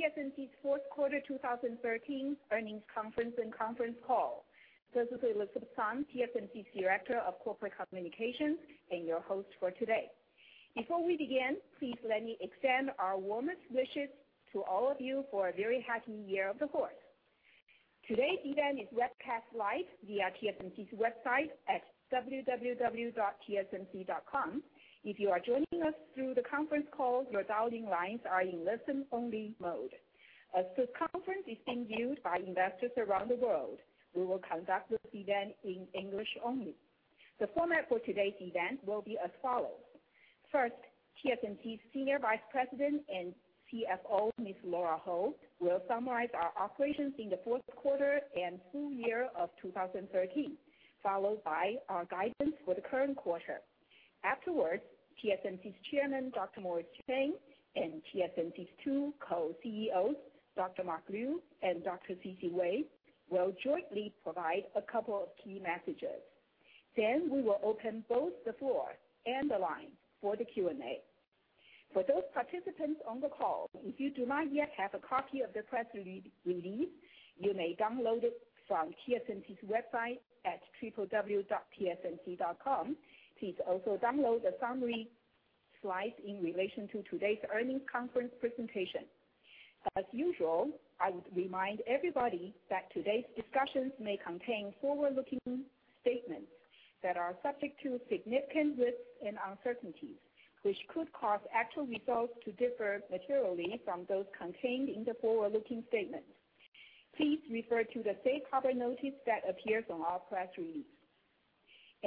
Welcome to TSMC's fourth quarter 2013 earnings conference and conference call. This is Elizabeth Sun, TSMC's Director of Corporate Communications and your host for today. Before we begin, please let me extend our warmest wishes to all of you for a very happy New Year of the horse. Today's event is webcast live via TSMC's website at www.tsmc.com. If you are joining us through the conference call, your dialing lines are in listen-only mode. As this conference is being viewed by investors around the world, we will conduct this event in English only. The format for today's event will be as follows. First, TSMC's Senior Vice President and CFO, Ms. Lora Ho, will summarize our operations in the fourth quarter and full year of 2013, followed by our guidance for the current quarter. Afterwards, TSMC's Chairman, Dr. Morris Chang, and TSMC's two co-CEOs, Dr. Mark Liu and Dr. C.C. Wei, will jointly provide a couple of key messages. We will open both the floor and the lines for the Q&A. For those participants on the call, if you do not yet have a copy of the press release, you may download it from TSMC's website at www.tsmc.com. Please also download the summary slides in relation to today's earnings conference presentation. As usual, I would remind everybody that today's discussions may contain forward-looking statements that are subject to significant risks and uncertainties, which could cause actual results to differ materially from those contained in the forward-looking statements. Please refer to the safe harbor notice that appears on our press release.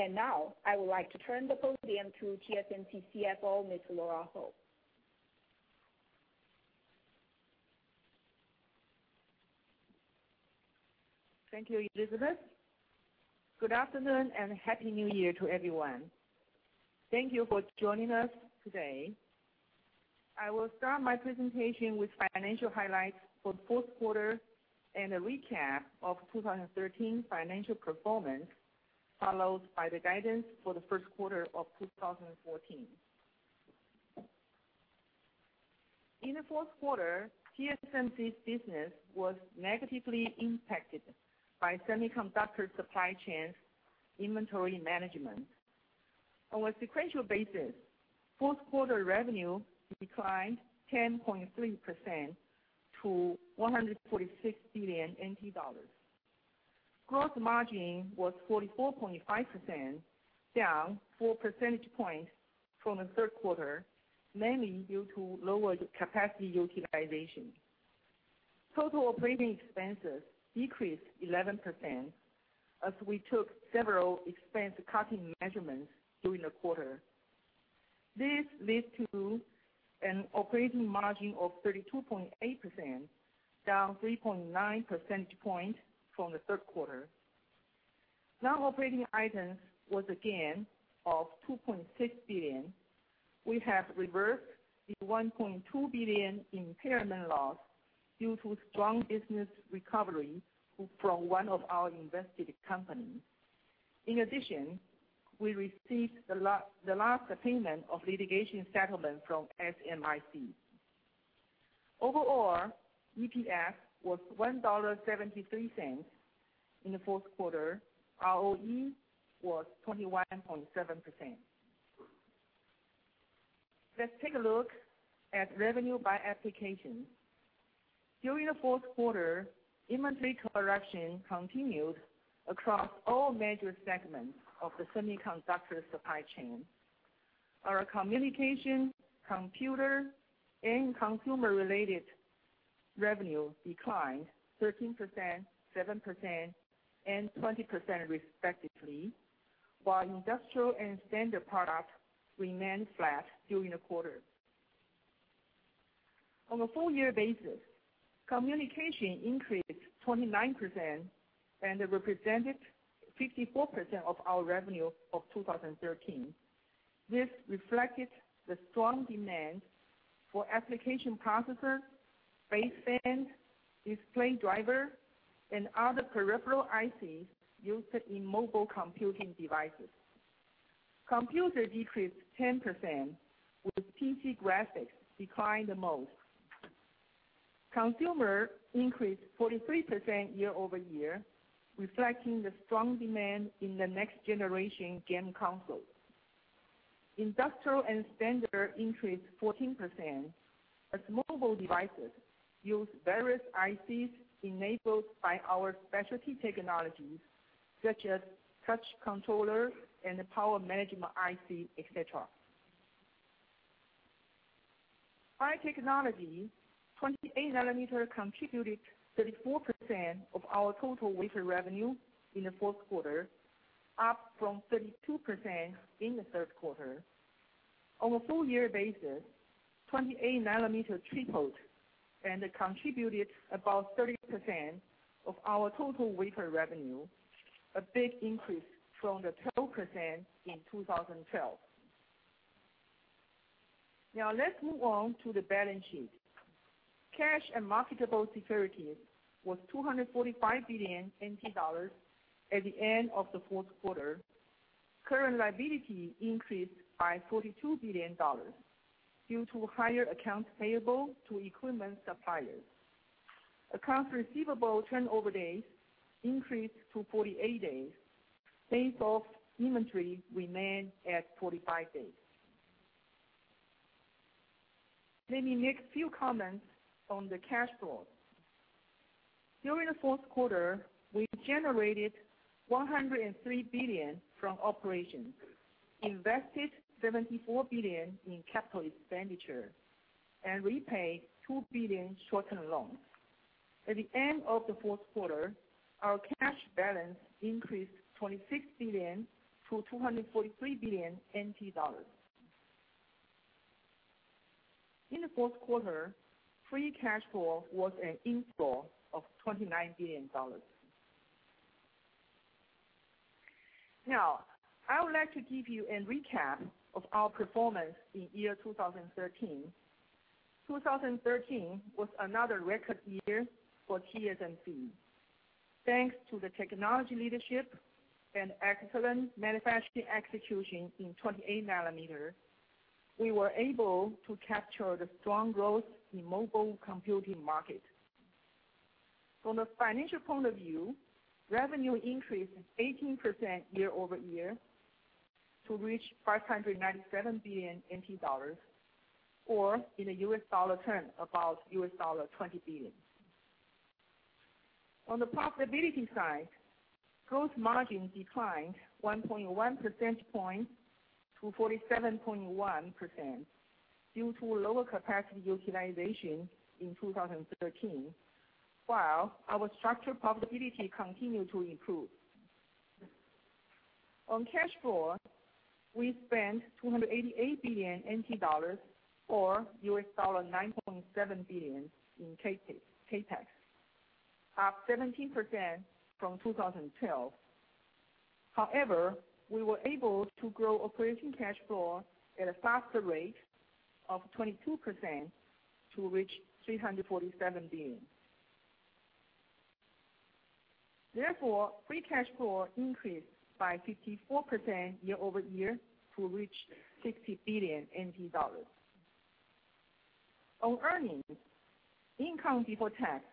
Now, I would like to turn the podium to TSMC CFO, Ms. Lora Ho. Thank you, Elizabeth. Good afternoon, and happy New Year to everyone. Thank you for joining us today. I will start my presentation with financial highlights for the fourth quarter and a recap of 2013 financial performance, followed by the guidance for the first quarter of 2014. In the fourth quarter, TSMC's business was negatively impacted by semiconductor supply chain inventory management. On a sequential basis, fourth quarter revenue declined 10.3% to TWD 146 billion. Gross margin was 44.5%, down four percentage points from the third quarter, mainly due to lower capacity utilization. Total operating expenses decreased 11% as we took several expense-cutting measurements during the quarter. This led to an operating margin of 32.8%, down 3.9 percentage points from the third quarter. Non-operating items was a gain of 2.6 billion. We have reversed the 1.2 billion impairment loss due to strong business recovery from one of our invested companies. In addition, we received the last payment of litigation settlement from SMIC. Overall, EPS was 1.73 dollar in the fourth quarter. ROE was 21.7%. Let's take a look at revenue by application. During the fourth quarter, inventory correction continued across all major segments of the semiconductor supply chain. Our communication, computer, and consumer-related revenue declined 13%, 7%, and 20% respectively, while industrial and standard product remained flat during the quarter. On a full year basis, communication increased 29% and represented 54% of our revenue of 2013. This reflected the strong demand for application processor, baseband, display driver, and other peripheral ICs used in mobile computing devices. Computer decreased 10%, with PC graphics declining the most. Consumer increased 43% year-over-year, reflecting the strong demand in the next-generation game consoles. Industrial and standard increased 14% as mobile devices use various ICs enabled by our specialty technologies, such as Touch controller IC and Power management IC, et cetera. Our technology, 28 nanometer, contributed 34% of our total wafer revenue in the fourth quarter, up from 32% in the third quarter. On a full year basis, 28 nanometer tripled and contributed about 30% of our total wafer revenue, a big increase from the 12% in 2012. Let's move on to the balance sheet. Cash and marketable securities was 245 billion NT dollars at the end of the fourth quarter. Current liability increased by 42 billion dollars due to higher accounts payable to equipment suppliers. Accounts receivable turnover days increased to 48 days. Days of inventory remained at 45 days. Let me make a few comments on the cash flow. During the fourth quarter, we generated 103 billion from operations, invested 74 billion in capital expenditure, and repaid 2 billion short-term loans. At the end of the fourth quarter, our cash balance increased 26 billion to 243 billion NT dollars. In the fourth quarter, free cash flow was an inflow of TWD 29 billion. I would like to give you a recap of our performance in the year 2013. 2013 was another record year for TSMC. Thanks to the technology leadership and excellent manufacturing execution in 28 nanometer, we were able to capture the strong growth in mobile computing market. From the financial point of view, revenue increased 18% year-over-year to reach 597 billion NT dollars, or in the US dollar term, about $20 billion. On the profitability side, gross margin declined 1.1 percentage point to 47.1% due to lower capacity utilization in 2013, while our structured profitability continued to improve. On cash flow, we spent TWD 288 billion, or $9.7 billion in CapEx, up 17% from 2012. We were able to grow operating cash flow at a faster rate of 22% to reach 347 billion. Free cash flow increased by 54% year-over-year to reach TWD 60 billion. On earnings, income before tax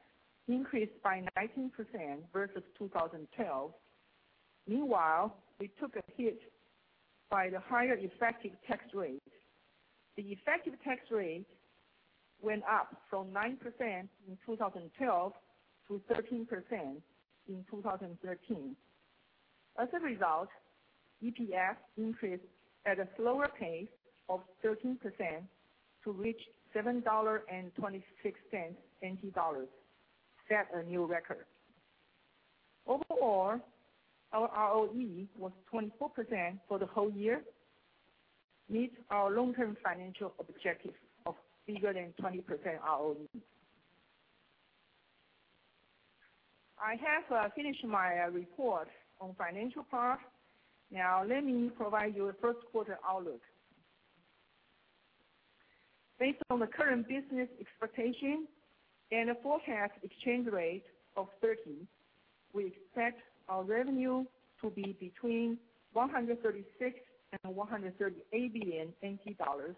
increased by 19% versus 2012. Meanwhile, we took a hit by the higher effective tax rate. The effective tax rate went up from 9% in 2012 to 13% in 2013. EPS increased at a slower pace of 13% to reach 7.26 NT dollars, set a new record. Overall, our ROE was 24% for the whole year, meet our long-term financial objective of bigger than 20% ROE. I have finished my report on financial part. Let me provide you a first quarter outlook. Based on the current business expectation and the forecast exchange rate of 30, we expect our revenue to be between 136 billion and 138 billion NT dollars.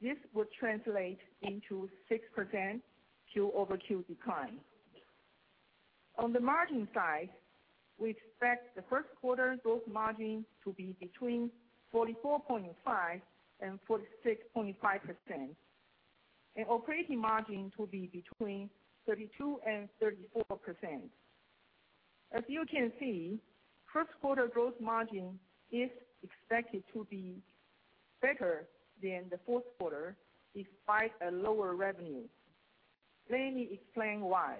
This would translate into 6% Q-over-Q decline. On the margin side, we expect the first quarter gross margin to be between 44.5%-46.5%, and operating margin to be between 32%-34%. First quarter gross margin is expected to be better than the fourth quarter despite a lower revenue. Let me explain why.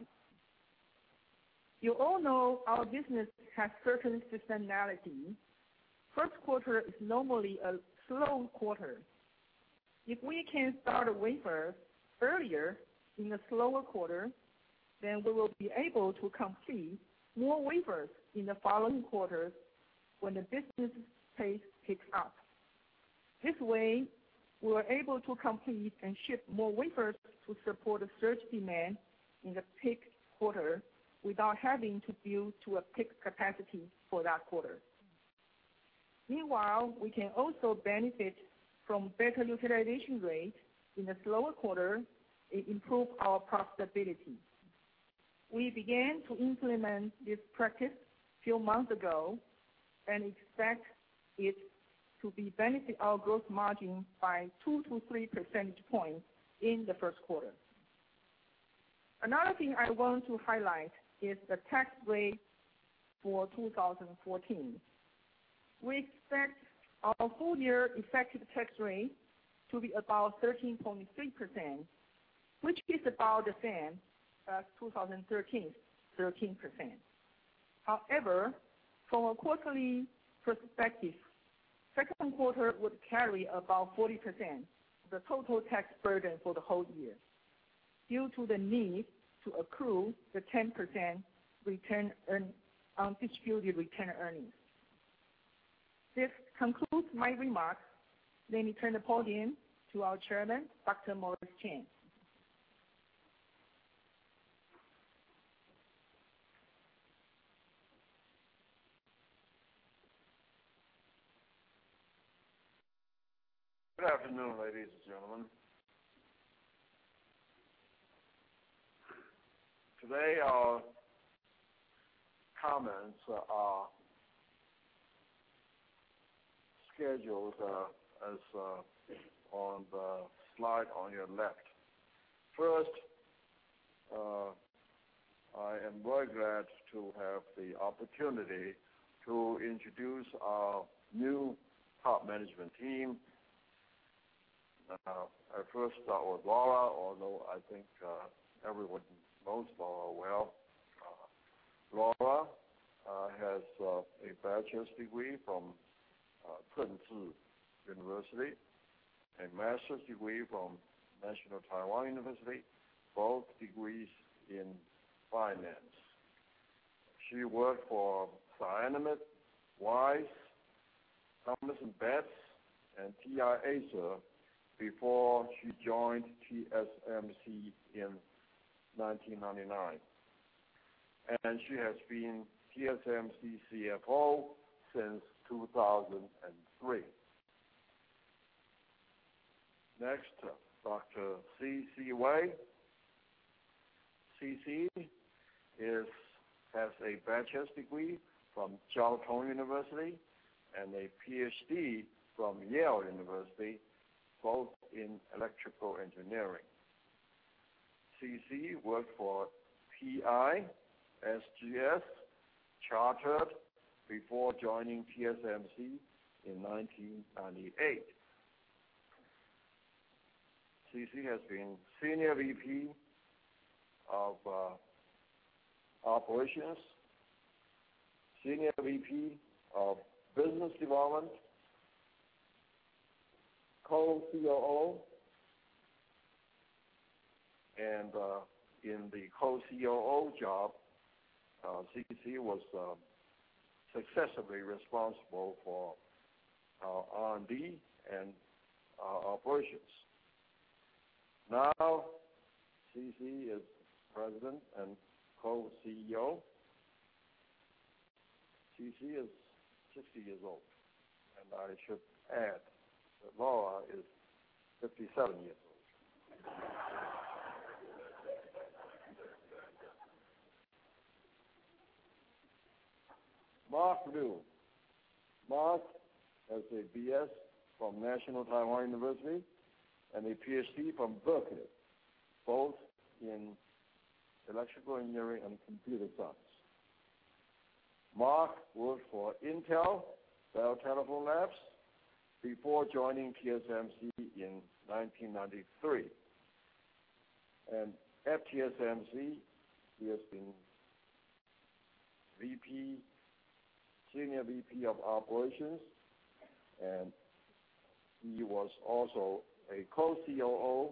You all know our business has certain seasonality. First quarter is normally a slow quarter. If we can start a wafer earlier in the slower quarter, we will be able to complete more wafers in the following quarters when the business pace picks up. This way, we're able to complete and ship more wafers to support a surge demand in the peak quarter without having to build to a peak capacity for that quarter. Meanwhile, we can also benefit from better utilization rate in the slower quarter. It improve our profitability. We began to implement this practice few months ago and expect it to benefit our gross margin by two to three percentage points in the first quarter. Another thing I want to highlight is the tax rate for 2014. We expect our whole year effective tax rate to be about 13.3%, which is about the same as 2013's 13%. However, from a quarterly perspective, second quarter would carry about 40% the total tax burden for the whole year, due to the need to accrue the 10% return on distributed return earnings. This concludes my remarks. Let me turn the podium to our Chairman, Dr. Morris Chang. Good afternoon, ladies and gentlemen. Today, our comments are scheduled as on the slide on your left. First, I am very glad to have the opportunity to introduce our new top management team. I'll first start with Lora, although I think everyone knows Lora well. Lora has a bachelor's degree from Tunghai University, a master's degree from National Taiwan University, both degrees in finance. She worked for Cyanamid, Wyse, Thomas & Betts, and TI Asia before she joined TSMC in 1999, and she has been TSMC CFO since 2003. Next, Dr. C.C. Wei. C.C. has a bachelor's degree from Chiao Tung University and a PhD from Yale University, both in electrical engineering. C.C. worked for TI, SGS, Chartered, before joining TSMC in 1998. C.C. has been Senior VP of Operations, Senior VP of Business Development, co-COO, and in the co-COO job, C.C. was successively responsible for R&D and operations. C.C. is President and co-CEO. C.C. is 60 years old. I should add that Lora is 57 years old. Mark Liu. Mark has a BS from National Taiwan University and a PhD from Berkeley, both in electrical engineering and computer science. Mark worked for Intel, Bell Telephone Labs, before joining TSMC in 1993. At TSMC, he has been Senior VP of Operations, and he was also a co-COO,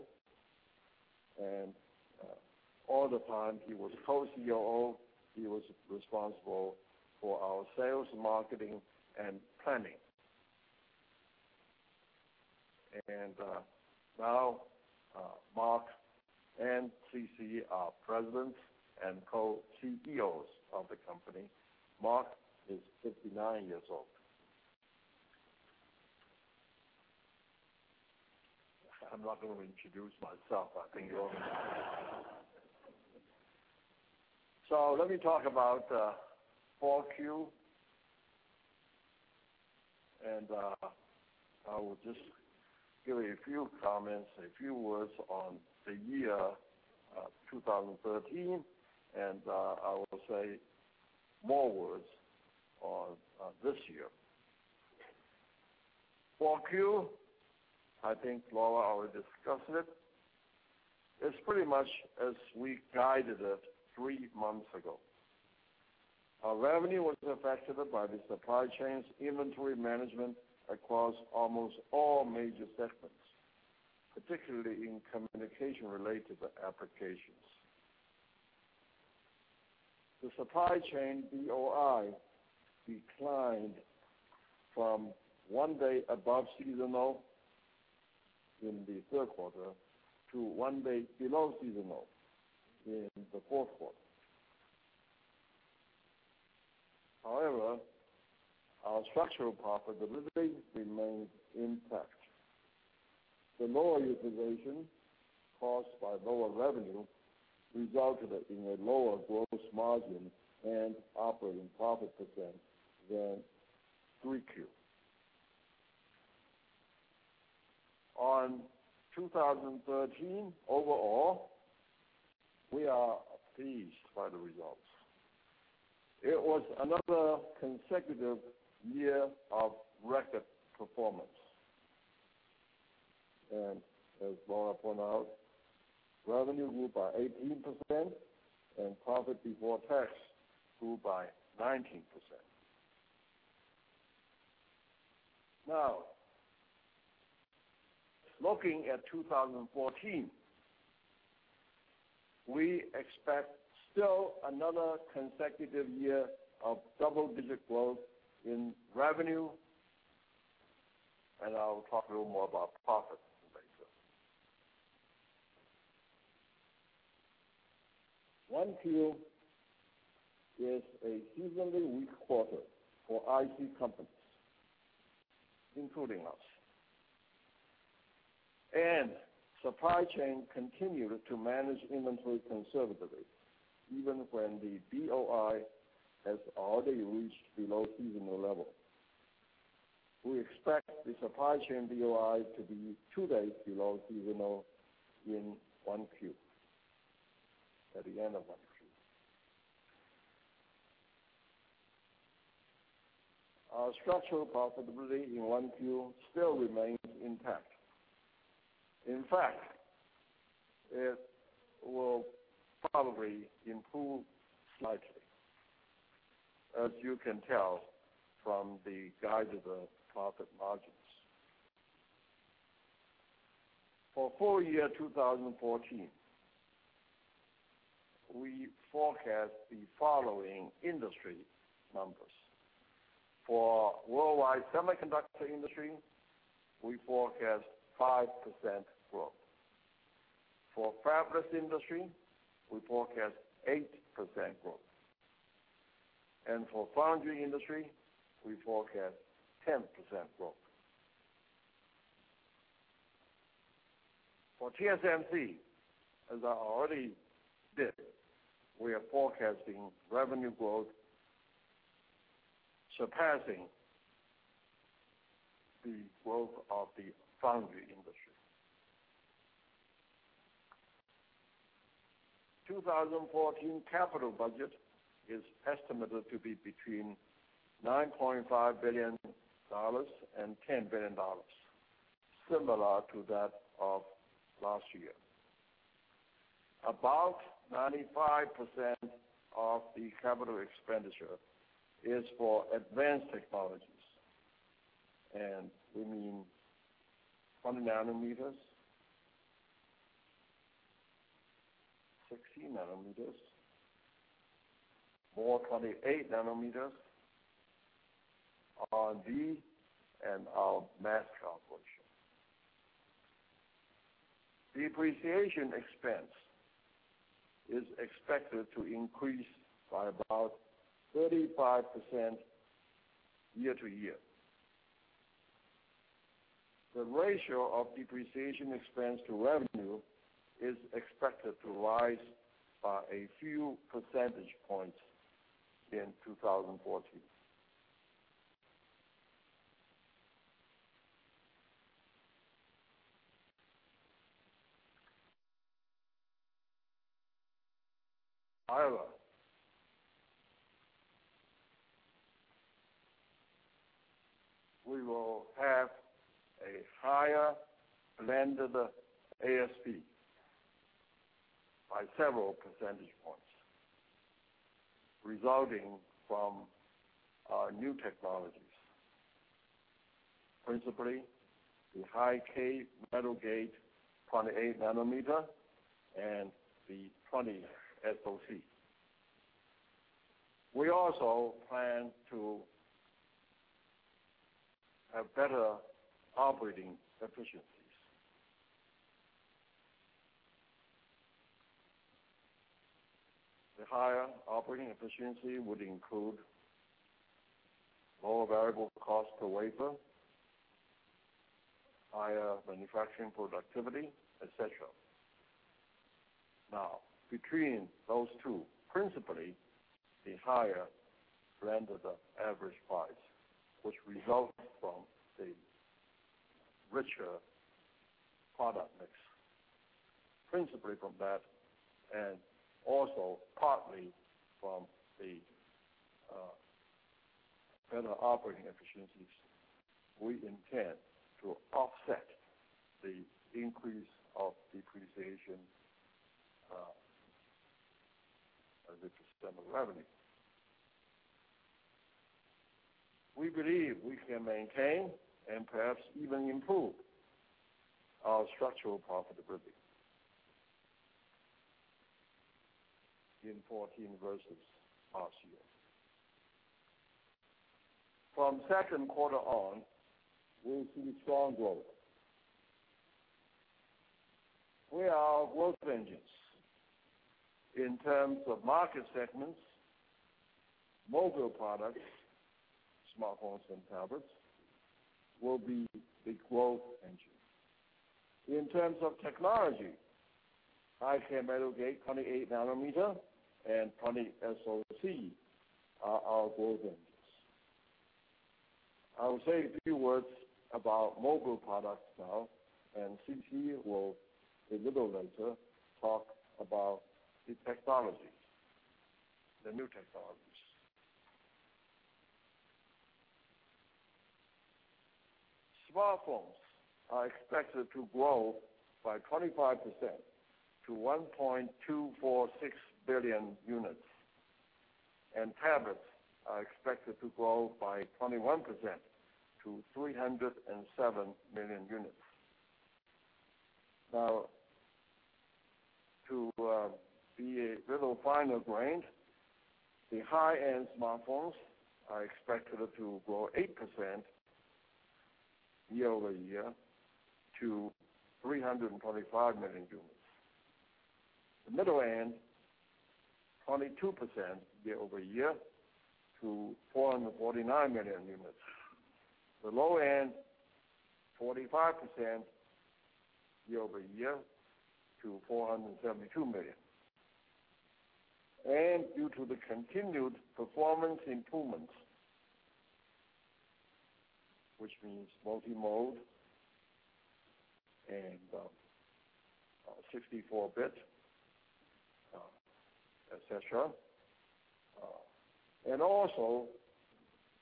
and all the time he was co-COO, he was responsible for our sales, marketing, and planning. Now, Mark and C.C. are Presidents and co-CEOs of the company. Mark is 59 years old. I'm not going to introduce myself. I think you all know me. Let me talk about Q4. I will just give a few comments, a few words on the year 2013. I will say more words on this year. Q4, I think Lora Ho already discussed it. It's pretty much as we guided it 3 months ago. Our revenue was affected by the supply chain's inventory management across almost all major segments, particularly in communication-related applications. The supply chain DOI declined from one day above seasonal in the third quarter to one day below seasonal in the fourth quarter. However, our structural profitability remained intact. The lower utilization caused by lower revenue resulted in a lower gross margin and operating profit % than Q3. On 2013, overall, we are pleased by the results. It was another consecutive year of record performance. As Lora Ho pointed out, revenue grew by 18% and profit before tax grew by 19%. Looking at 2014, we expect still another consecutive year of double-digit growth in revenue. I will talk a little more about profit in a few minutes. 1Q is a seasonally weak quarter for IC companies, including us. Supply chain continued to manage inventory conservatively, even when the DOI has already reached below seasonal level. We expect the supply chain DOI to be two days below seasonal in 1Q, at the end of 1Q. Our structural profitability in 1Q still remains intact. In fact, it will probably improve slightly, as you can tell from the guided profit margins. For full year 2014, we forecast the following industry numbers. For worldwide semiconductor industry, we forecast 5% growth. For fabless industry, we forecast 8% growth. For foundry industry, we forecast 10% growth. For TSMC, as I already did, we are forecasting revenue growth surpassing the growth of the foundry industry. 2014 capital budget is estimated to be between 9.5 billion dollars and 10 billion dollars, similar to that of last year. About 95% of the capital expenditure is for advanced technologies, and we mean 20 nanometer, 16 nanometer, more 28 nanometer, R&D, and our mask shop portion. Depreciation expense is expected to increase by about 35% year-to-year. The ratio of depreciation expense to revenue is expected to rise by a few percentage points in 2014. However, we will have a higher blended ASP by several percentage points resulting from our new technologies, principally the High-K metal gate 28 nanometer and the 20SoC. We also plan to have better operating efficiencies. The higher operating efficiency would include lower variable cost to wafer, higher manufacturing productivity, et cetera. Between those two, principally the higher blended average price, which results from the richer product mix, principally from that and also partly from the better operating efficiencies, we intend to offset the increase of depreciation as it is semi-revenue. We believe we can maintain and perhaps even improve our structural profitability in 2014 versus last year. From second quarter on, we'll see strong growth. Where are our growth engines? In terms of market segments, mobile products, smartphones, and tablets will be the growth engine. In terms of technology, High-K metal gate 28 nanometer and 20SoC are our growth engines. I will say a few words about mobile products now. C.C. Wei will, a little later, talk about the technologies, the new technologies. Smartphones are expected to grow by 25% to 1.246 billion units, and tablets are expected to grow by 21% to 307 million units. To be a little finer grained, the high-end smartphones are expected to grow 8% year-over-year to 325 million units. The middle end, 22% year-over-year to 449 million units. The low end, 45% year-over-year to 472 million. Due to the continued performance improvements, which means multi-mode and 64-bit, et cetera, also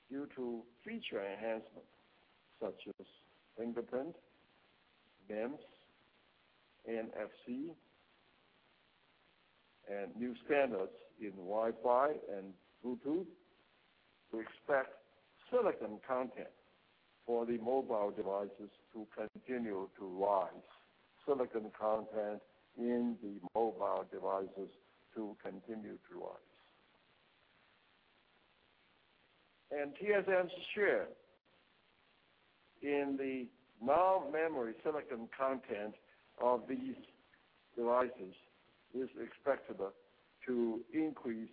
due to feature enhancements such as fingerprint, MEMS, NFC, and new standards in Wi-Fi and Bluetooth, we expect silicon content for the mobile devices to continue to rise. Silicon content in the mobile devices to continue to rise. TSMC's share in the non-memory silicon content of these devices is expected to increase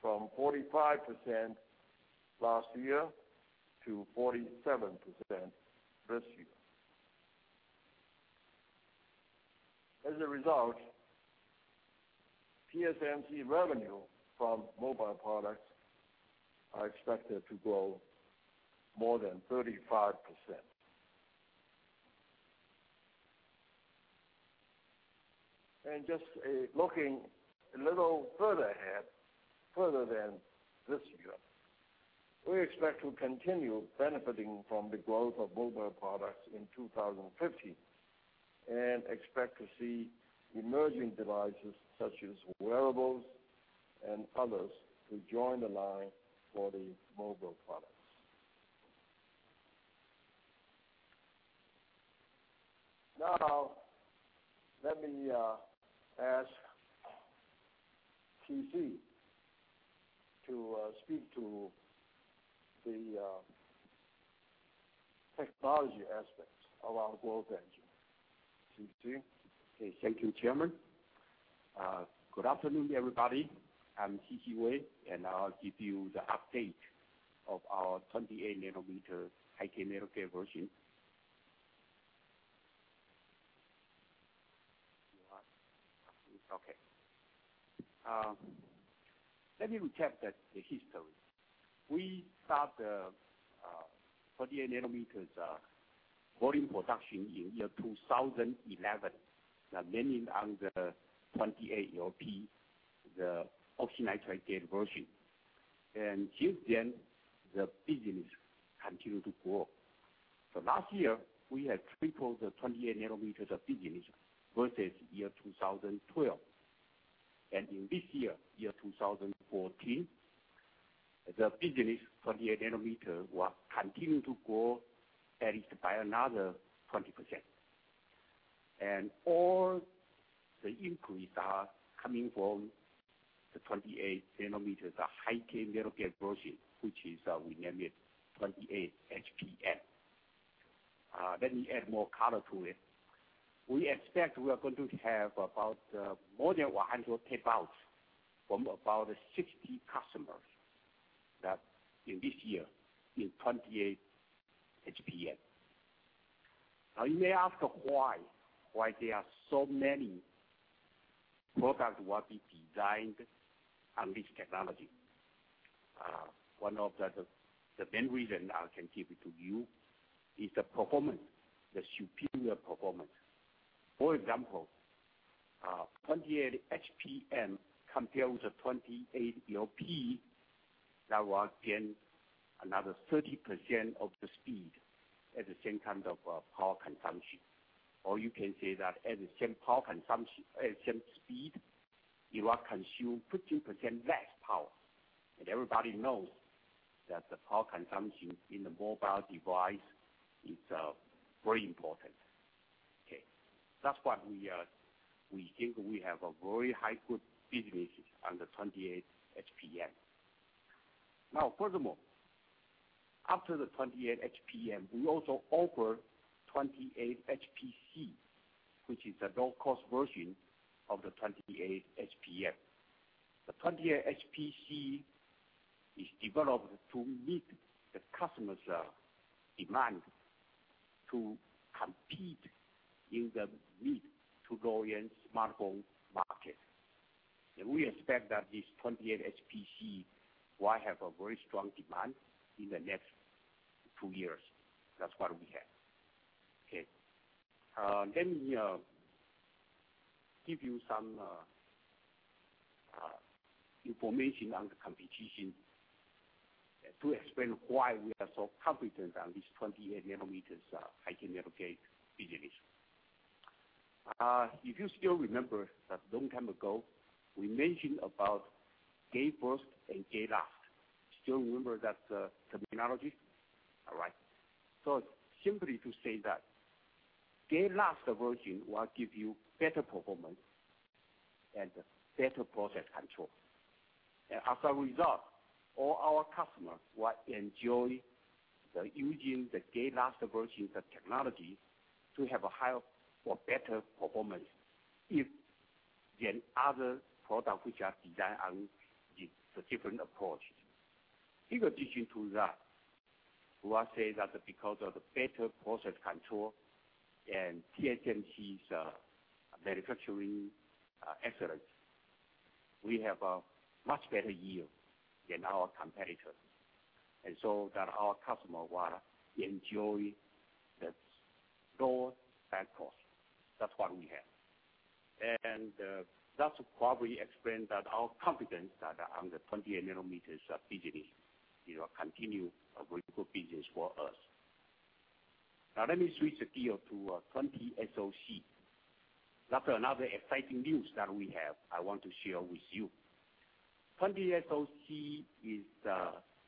from 45% last year to 47% this year. As a result, TSMC revenue from mobile products are expected to grow more than 35%. Just looking a little further ahead, further than this year, we expect to continue benefiting from the growth of mobile products in 2015, expect to see emerging devices such as wearables and others to join the line for the mobile products. Let me ask C.C. to speak to the technology aspects of our growth engine. C.C.? Thank you, Chairman. Good afternoon, everybody. I'm C.C. Wei, I'll give you the update of our 28 nanometer High-K metal gate version. Let me recap the history. We start the 28 nanometer volume production in 2011, mainly on the 28 LPE, the oxynitride version. Since then, the business continued to grow. Last year, we had tripled the 28 nanometer of business versus 2012. In this year, 2014, the business 28 nanometer will continue to grow at least by another 20%. All the increase are coming from the 28 nanometer, the High-K metal gate version, which is we named it 28 HPM. Let me add more color to it. We expect we are going to have about more than 100 tape-outs from about 60 customers that in this year, in 28 HPM. You may ask why there are so many products will be designed on this technology. One of the main reason I can give it to you is the performance, the superior performance. For example, 28 HPM compared with the 28 LPE, that will gain another 30% of the speed at the same kind of power consumption. Or you can say that at the same speed, it will consume 15% less power. Everybody knows that the power consumption in the mobile device is very important. That's why we think we have a very high growth business on the 28 HPM. Furthermore, after the 28 HPM, we also offer 28 HPC, which is a low-cost version of the 28 HPM. The 28 HPC is developed to meet the customer's demand to compete in the mid to low-end smartphone market. We expect that this 28 HPC will have a very strong demand in the next 2 years. That's what we have. Okay. Let me give you some information on the competition to explain why we are so confident on this 28 nanometers High-K metal gate business. If you still remember that long time ago, we mentioned about gate first and gate last. Still remember that terminology? All right. Simply to say that gate-last version will give you better performance and better process control. As a result, all our customers will enjoy using the gate-last version of technology to have a higher or better performance than other products which are designed on the different approach. In addition to that, we are saying that because of the better process control and TSMC's manufacturing excellence, we have a much better yield than our competitors. So that our customers will enjoy the lower cost. That's what we have. That probably explains our confidence that on the 28 nanometers business, continue a very good business for us. Now let me switch the gear to 20SoC. That's another exciting news that we have, I want to share with you. 20SoC is the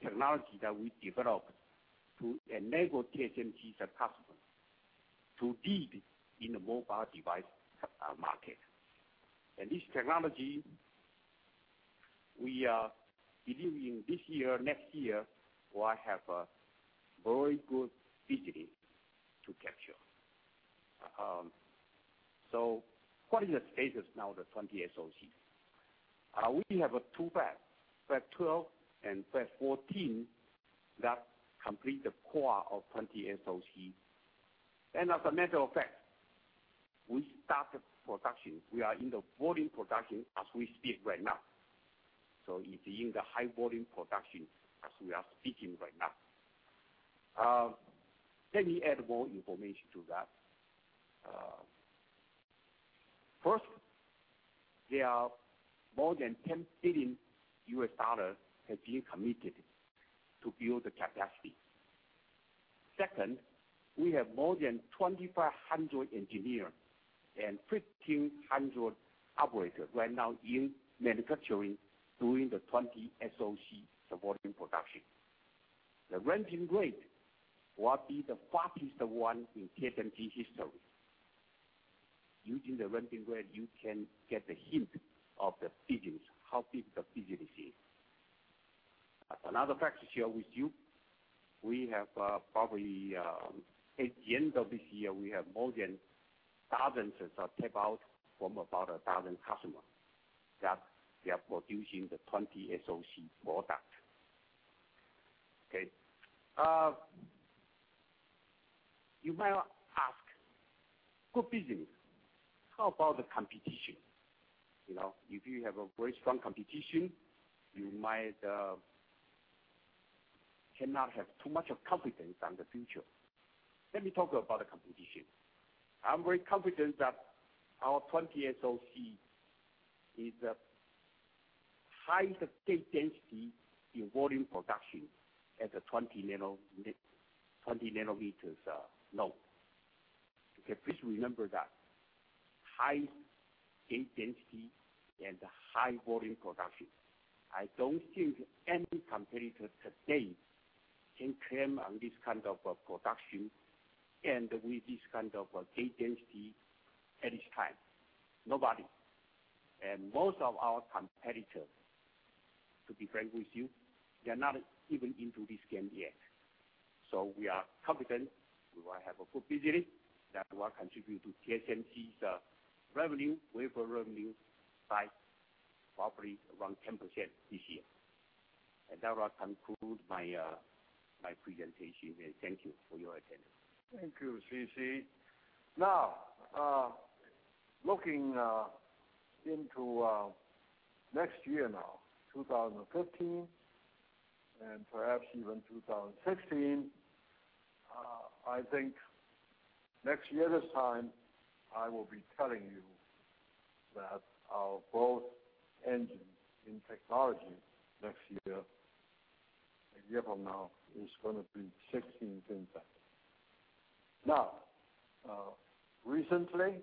technology that we developed to enable TSMC's customers to dig in the mobile device market. This technology, we are believing this year, next year, will have a very good business to capture. What is the status now of the 20SoC? We have 2 fabs, fab 12 and fab 14, that complete the core of 20SoC. As a matter of fact, we started production. We are in the volume production as we speak right now. It's in the high volume production as we are speaking right now. Let me add more information to that. First, there are more than TWD 10 billion has been committed to build the capacity. Second, we have more than 2,500 engineers and 1,500 operators right now in manufacturing doing the 20SoC volume production. The ramp rate will be the fastest one in TSMC history. Using the ramp rate, you can get a hint of the business, how big the business is. Another fact to share with you, at the end of this year, we have more than dozens of tape-out from about a dozen customers, that they are producing the 20SoC product. Okay. You might ask, "Good business. How about the competition?" If you have a very strong competition, you cannot have too much confidence on the future. Let me talk about the competition. I'm very confident that our 20SoC is the highest gate density in volume production at the 20 nanometers node. Okay, please remember that. Highest gate density and high volume production. I don't think any competitor today can claim on this kind of production and with this kind of gate density at this time. Nobody. Most of our competitors, to be frank with you, they're not even into this game yet. We are confident we will have a good business that will contribute to TSMC's revenue, wafer revenue, by probably around 10% this year. That will conclude my presentation. Thank you for your attention. Thank you, CC. Looking into next year now, 2015, and perhaps even 2016, I think next year this time, I will be telling you that our growth engine in technology next year, a year from now, is going to be 16 FinFET. Recently,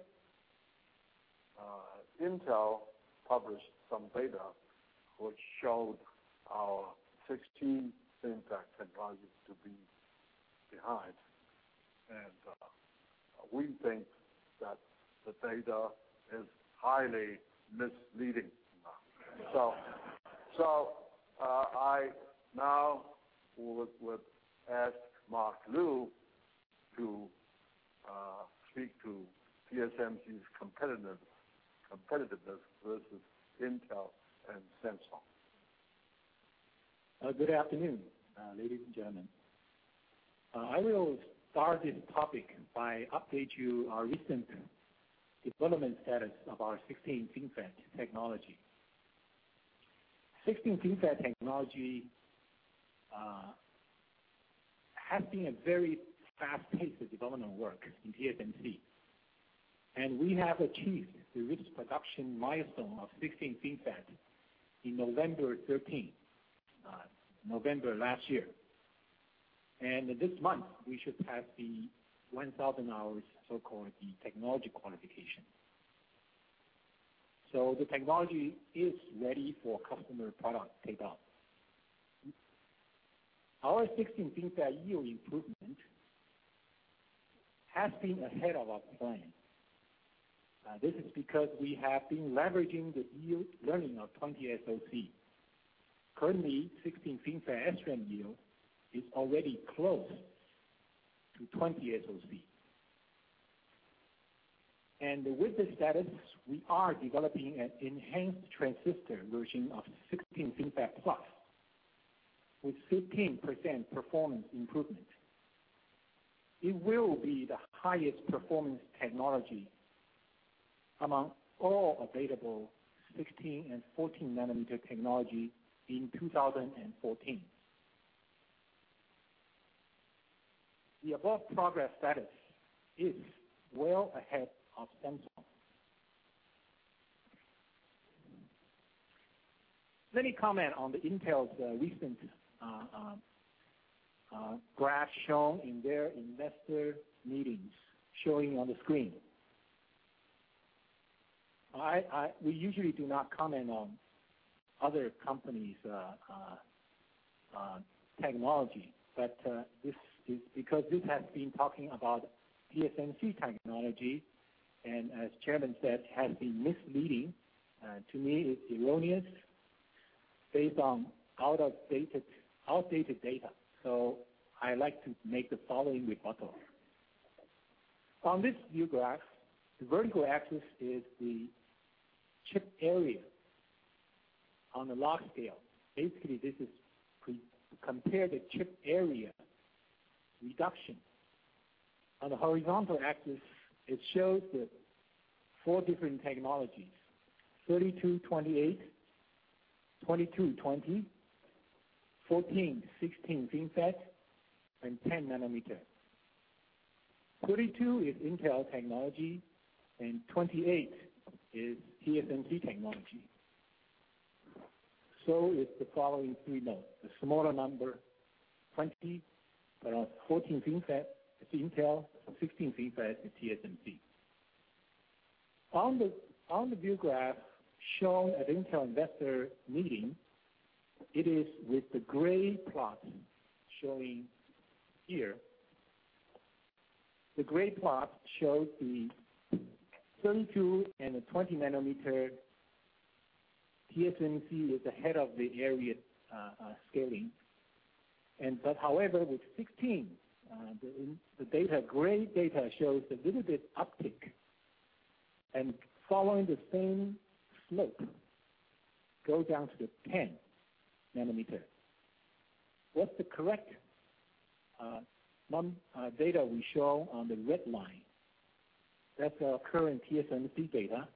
Intel published some data which showed our 16 FinFET technology to be behind. We think that the data is highly misleading. I now would ask Mark Liu to speak to TSMC's competitiveness versus Intel and Samsung. Good afternoon, ladies and gentlemen. I will start this topic by update you our recent development status of our 16 FinFET technology. 16 FinFET technology has been a very fast-paced development work in TSMC, and we have achieved the risk production milestone of 16 FinFET in November 13, November last year. This month, we should have the 1,000 hours, so-called the technology qualification. The technology is ready for customer product tape out. Our 16 FinFET yield improvement has been ahead of our plan. This is because we have been leveraging the yield learning of 20SoC. Currently, 16 FinFET SRAM yield is already close to 20SoC. With this status, we are developing an enhanced transistor version of 16 FinFET+ with 15% performance improvement. It will be the highest performance technology among all available 16 and 14 nanometer technology in 2014. The above progress status is well ahead of schedule. Let me comment on Intel's recent graph shown in their investor meetings, showing on the screen. We usually do not comment on other companies' technology, but because this has been talking about TSMC technology, and as chairman said, has been misleading. To me, it's erroneous, based on outdated data. I like to make the following rebuttal. On this view graph, the vertical axis is the chip area on a log scale. Basically, this is to compare the chip area reduction. On the horizontal axis, it shows the four different technologies, 32, 28, 22, 20, 14, 16 FinFET, and 10 nanometer. 32 is Intel technology and 28 is TSMC technology. Is the following three nodes. The smaller number, 20, around 14 FinFET is Intel, 16 FinFET is TSMC. On the view graph shown at Intel investor meeting, it is with the gray plot showing here. The gray plot shows the 32 and the 20 nanometer. TSMC was ahead of the area scaling. However, with 16, the gray data shows a little bit uptick, and following the same slope, go down to the 10 nanometer. What's the correct data we show on the red line? That's our current TSMC data.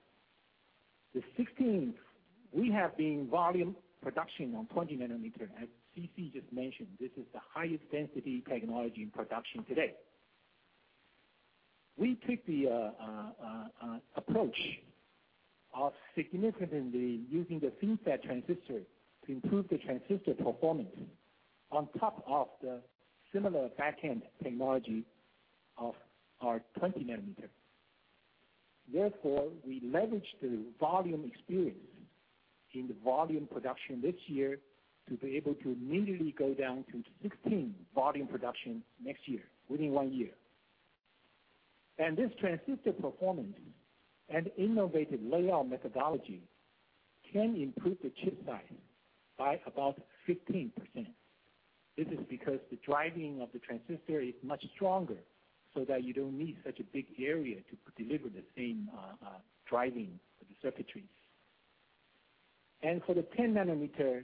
The 16, we have been volume production on 20 nanometer, as CC just mentioned. This is the highest density technology in production today. We took the approach of significantly using the FinFET transistor to improve the transistor performance on top of the similar back-end technology of our 20 nanometer. Therefore, we leverage the volume experience in the volume production this year to be able to immediately go down to 16 volume production next year, within one year. This transistor performance and innovative layout methodology can improve the chip size by about 15%. This is because the driving of the transistor is much stronger so that you don't need such a big area to deliver the same driving for the circuitries. For the 10 nanometer,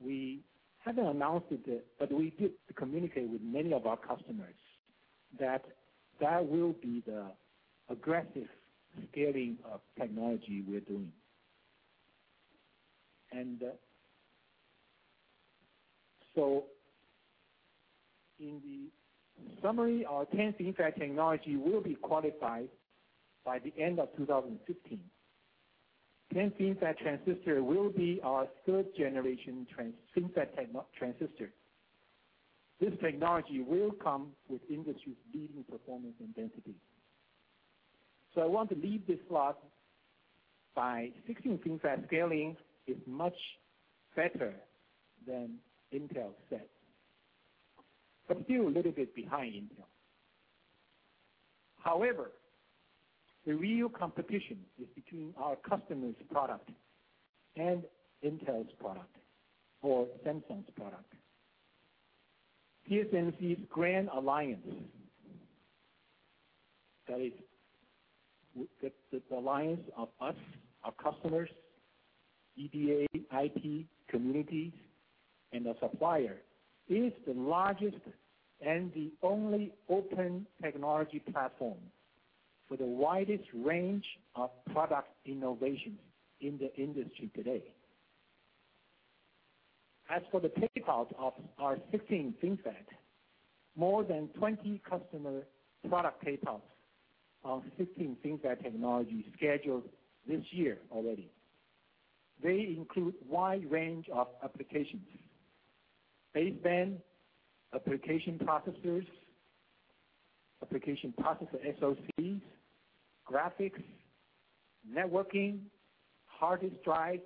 we haven't announced it yet, but we did communicate with many of our customers that that will be the aggressive scaling of technology we're doing. In the summary, our 10 FinFET technology will be qualified by the end of 2015. 10 FinFET transistor will be our third generation FinFET transistor. This technology will come with industry-leading performance and density. I want to leave this slide by 16 FinFET scaling is much better than Intel said, but still a little bit behind Intel. However, the real competition is between our customers' product and Intel's product or Samsung's product. TSMC's Grand Alliance, that is the alliance of us, our customers, EDA, IP, community, and the supplier, is the largest and the only open technology platform with the widest range of product innovation in the industry today. As for the tape outs of our 16 FinFET, more than 20 customer product tape outs of 16 FinFET technology scheduled this year already. They include wide range of applications: baseband, Application processor SoCs, graphics, networking, hard disk drive,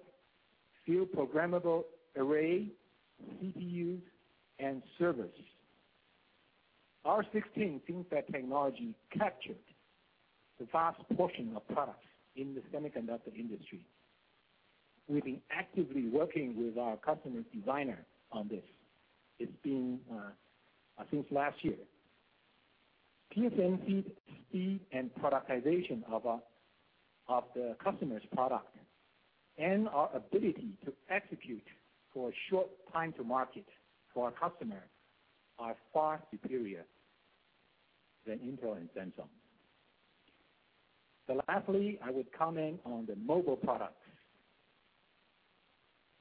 field programmable gate array, CPUs, and servers. Our 16 FinFET technology captured the vast portion of products in the semiconductor industry. We've been actively working with our customer designer on this. It's been since last year. TSMC's speed and productization of the customer's product and our ability to execute for a short time to market for our customer are far superior than Intel and Samsung. Lastly, I would comment on the mobile products.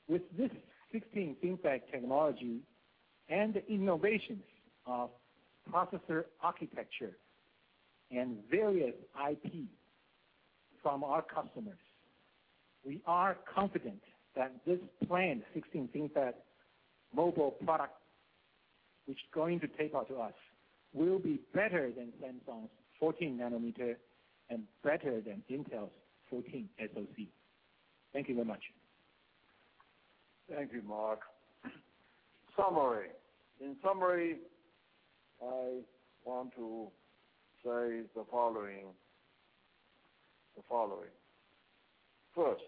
With this 16 FinFET technology and the innovations of processor architecture and various IP from our customers, we are confident that this planned 16 FinFET mobile product which is going to take off to us, will be better than Samsung's 14 nanometer and better than Intel's 14nm SoC. Thank you very much. Thank you, Mark. Summary. In summary, I want to say the following. First,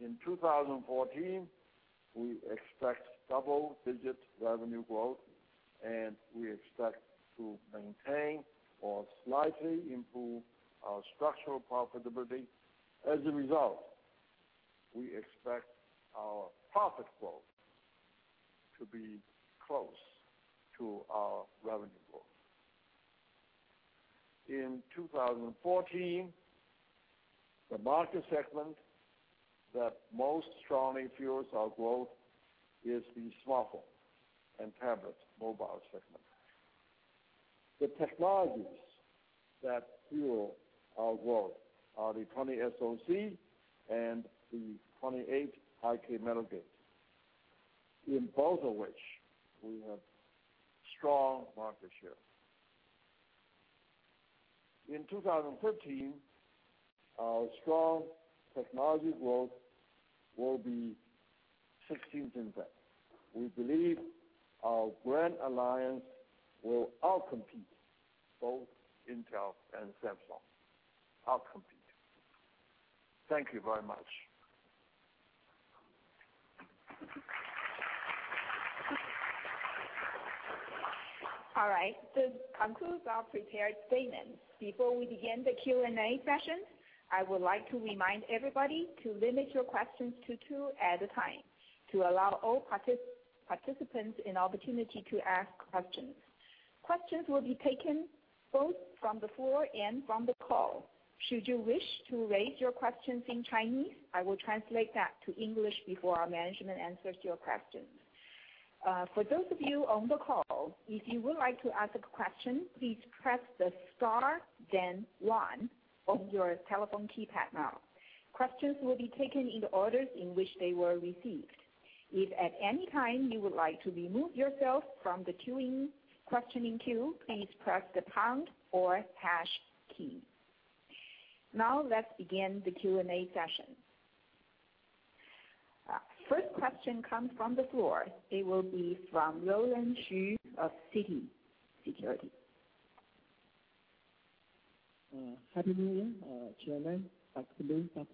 in 2014, we expect double-digit revenue growth, and we expect to maintain or slightly improve our structural profitability. As a result, we expect our profit growth to be close to our revenue growth. In 2014, the market segment that most strongly fuels our growth is the smartphone and tablet mobile segment. The technologies that fuel our growth are the 20SoC and the 28 High-K metal gate, in both of which we have strong market share. In 2015, our strong technology growth will be 16 FinFET. We believe our Grand Alliance will out-compete both Intel and Samsung. Out-compete. Thank you very much. All right. This concludes our prepared statements. Before we begin the Q&A session, I would like to remind everybody to limit your questions to two at a time to allow all participants an opportunity to ask questions. Questions will be taken both from the floor and from the call. Should you wish to raise your questions in Chinese, I will translate that to English before our management answers your questions. For those of you on the call, if you would like to ask a question, please press the star then one on your telephone keypad now. Questions will be taken in the order in which they were received. If at any time you would like to remove yourself from the questioning queue, please press the pound or hash key. Now, let's begin the Q&A session. First question comes from the floor. It will be from Roland Shu of Citi Securities. Happy New Year, Chairman, Dr. Liu, Dr.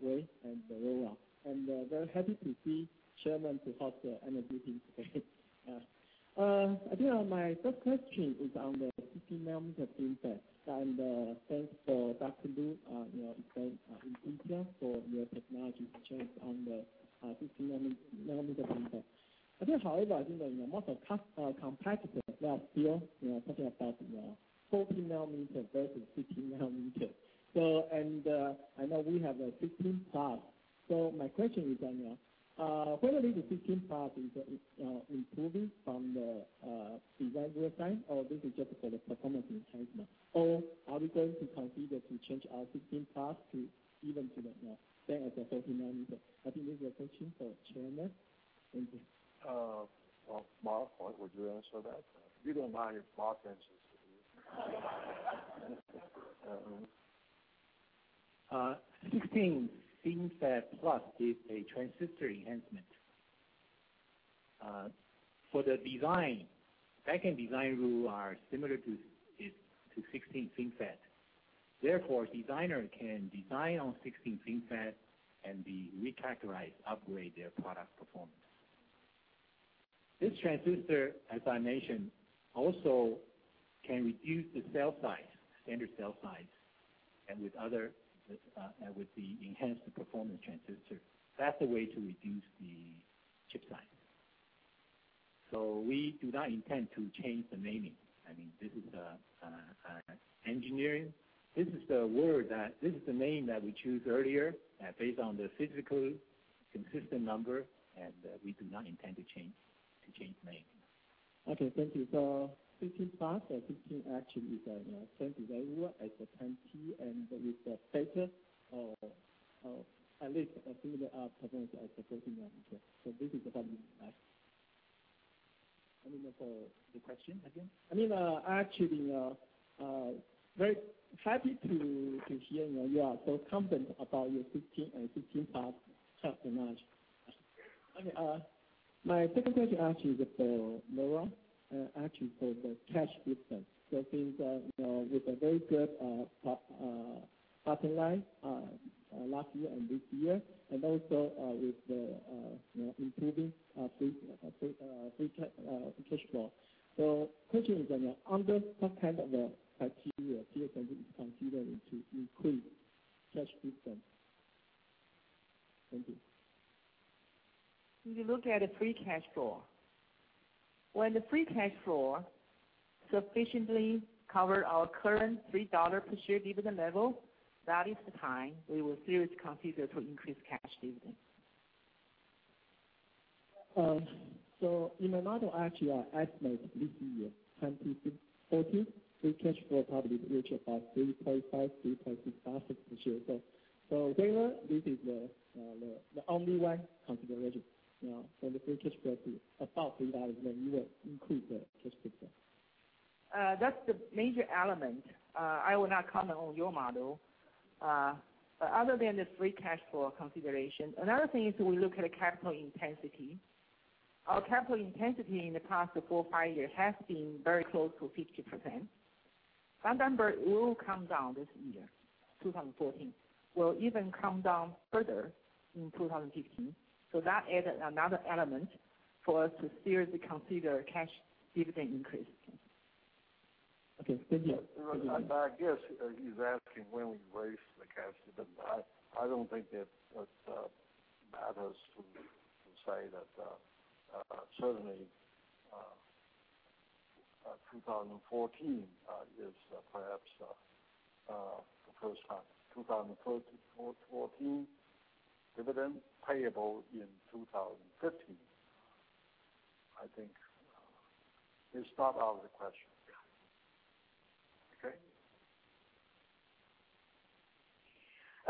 Wei, and Lora. I'm very happy to see Chairman, who has energy today. My first question is on the 16 nanometer FinFET and thanks for Dr. Liu, in Intel for your technology trends on the 16 nanometer FinFET. However, most of our competitors are still talking about 14 nanometer versus 16 nanometer. I know we have a 16 FinFET+. My question is on that. Whether this 16 FinFET+ is improving from the design win side or this is just for the performance enhancement? Are we going to consider to change our 16 FinFET+ to even to the better than 14 nanometer? This is a question for Chairman. Thank you. Mark, would you answer that? If you don't mind if Mark answers it. 16 FinFET+ is a transistor enhancement. For the design, back-end design rules are similar to 16 FinFET. Designer can design on 16 FinFET and re-characterize, upgrade their product performance. This transistor, as I mentioned, also can reduce the cell size, standard cell size and with the enhanced performance transistor. That's the way to reduce the chip size. We do not intend to change the naming. This is the name that we chose earlier, based on the physically consistent number, we do not intend to change the name. Okay, thank you. 16 FinFET+ or 16nm actually is same available as the 10T and with the status of at least a similar performance as the 14 nanometer. This is what I mean by I don't know for the question, I think. I am actually very happy to hear you are so confident about your 16 FinFET and 16 FinFET+ half the margin. Okay. My second question actually is for Lora Ho, actually for the cash dividend. Since with a very good bottom line last year and this year, and also with the improving free cash flow. Question is on that. Under what kind of a criteria TSMC is considering to increase cash dividend? Thank you. We look at the free cash flow. When the free cash flow sufficiently covered our current 3 dollar per share dividend level, that is the time we will seriously consider to increase cash dividends. In my model, actually, I estimate this year 2014, free cash flow probably reach about 3.5, 3.6 per share. This is the only one consideration. When the free cash flow to about TWD 3, you will increase the cash dividend. That's the major element. I will not comment on your model. Other than the free cash flow consideration, another thing is we look at the capital intensity. Our capital intensity in the past four, five years has been very close to 50%. That number will come down this year, 2014. It will even come down further in 2015. That is another element for us to seriously consider cash dividend increases. Okay. Thank you. I guess he's asking when we raise the cash dividend. I don't think that matters to say that, certainly 2014 is perhaps the first time. 2014 dividend payable in 2015. I think it's not out of the question. Okay?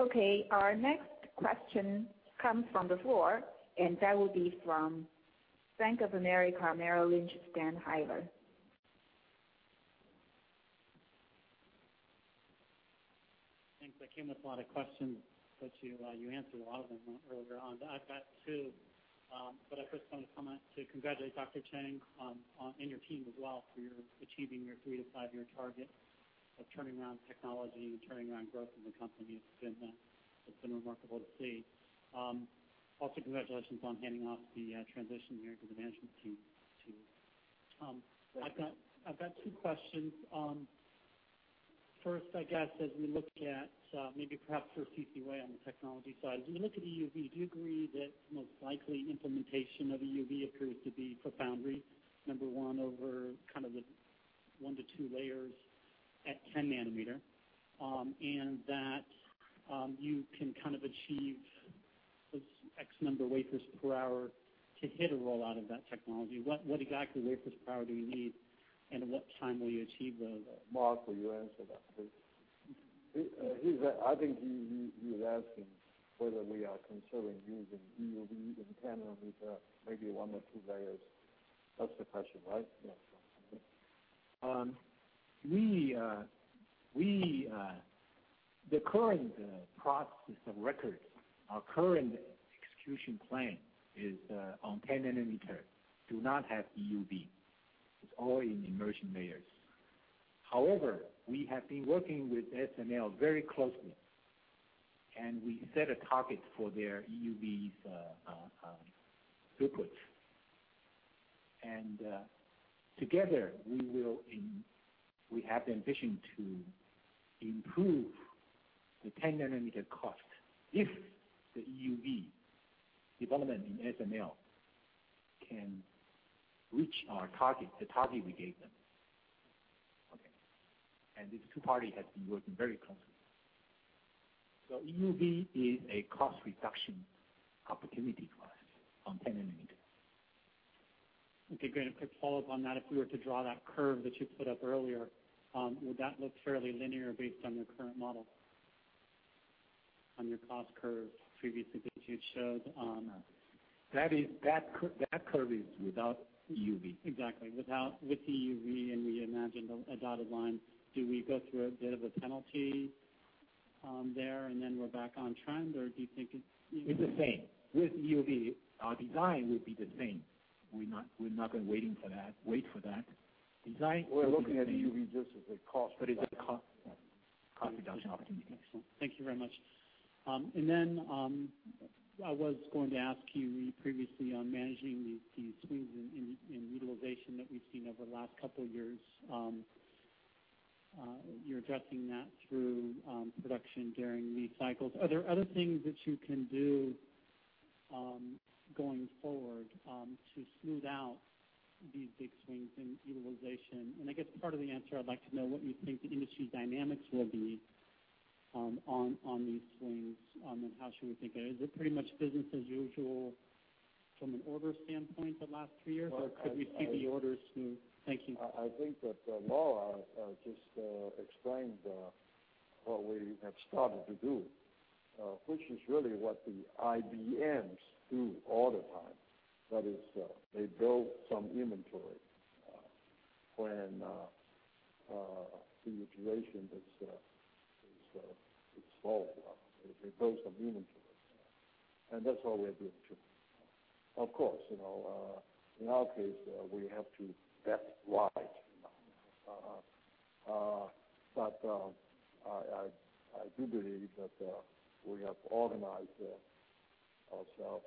Okay. Our next question comes from the floor. That will be from Bank of America Merrill Lynch, Dan Heyler. Thanks. I came with a lot of questions. You answered a lot of them earlier on. I've got two. I first want to comment to congratulate Dr. Chang, and your team as well, for your achieving your 3-5-year target of turning around technology and turning around growth in the company. It's been remarkable to see. Also, congratulations on handing off the transition here to the management team, too. Thank you. I've got two questions. First, I guess as we look at, maybe perhaps for C.C. Wei on the technology side. As we look at EUV, do you agree that most likely implementation of EUV occurs to be for foundry, number 1, over kind of the one to two layers at 10 nanometer? That you can kind of achieve those X number wafers per hour to hit a rollout of that technology. What exactly wafers per hour do you need, and at what time will you achieve those? Mark, will you answer that, please? I think he was asking whether we are considering using EUV in 10 nanometer, maybe one or two layers. That's the question, right? Yes. The current process of record, our current execution plan is on 10 nanometer, do not have EUV. It's all in immersion layers. However, we have been working with ASML very closely, we set a target for their EUV's throughput. Together we have the ambition to improve the 10 nanometer cost if the EUV development in ASML can reach our target, the target we gave them. Okay. These two parties have been working very closely. EUV is a cost reduction opportunity for us on 10 nanometer. Okay, great. A quick follow-up on that. If we were to draw that curve that you put up earlier, would that look fairly linear based on your current model? On your cost curve previously that you showed on- That curve is without EUV. Exactly. With EUV we imagine a dotted line, do we go through a bit of a penalty there and then we're back on trend? Do you think it's even- It's the same. With EUV, our design would be the same. We're not going to wait for that. We're looking at EUV just as a cost reduction. It's a cost reduction opportunity. Excellent. Thank you very much. I was going to ask you previously on managing these swings in utilization that we've seen over the last couple of years. You're addressing that through production during the cycles. Are there other things that you can do going forward to smooth out these big swings in utilization? I guess part of the answer, I'd like to know what you think the industry dynamics will be on these swings, and how should we think of it? Is it pretty much business as usual? From an order standpoint the last three years- Well. Could we see the orders move? Thank you. I think that Lora just explained what we have started to do, which is really what the IDMs do all the time. That is, they build some inventory when the utilization is slow. They build some inventory. That's what we are doing, too. Of course, in our case, we have to bet right. I do believe that we have organized ourselves.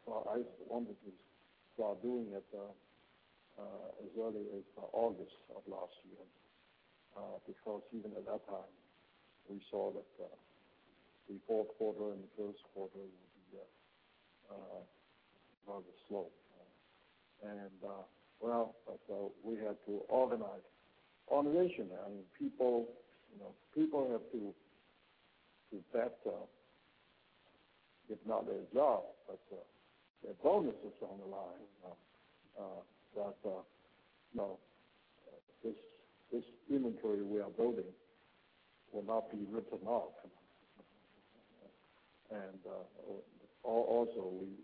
I wanted to start doing it as early as August of last year, because even at that time, we saw that the fourth quarter and the first quarter would be rather slow. Well, we had to organize. Organization, people have to bet, if not their job, but their bonus is on the line. That this inventory we are building will not be written off. Also,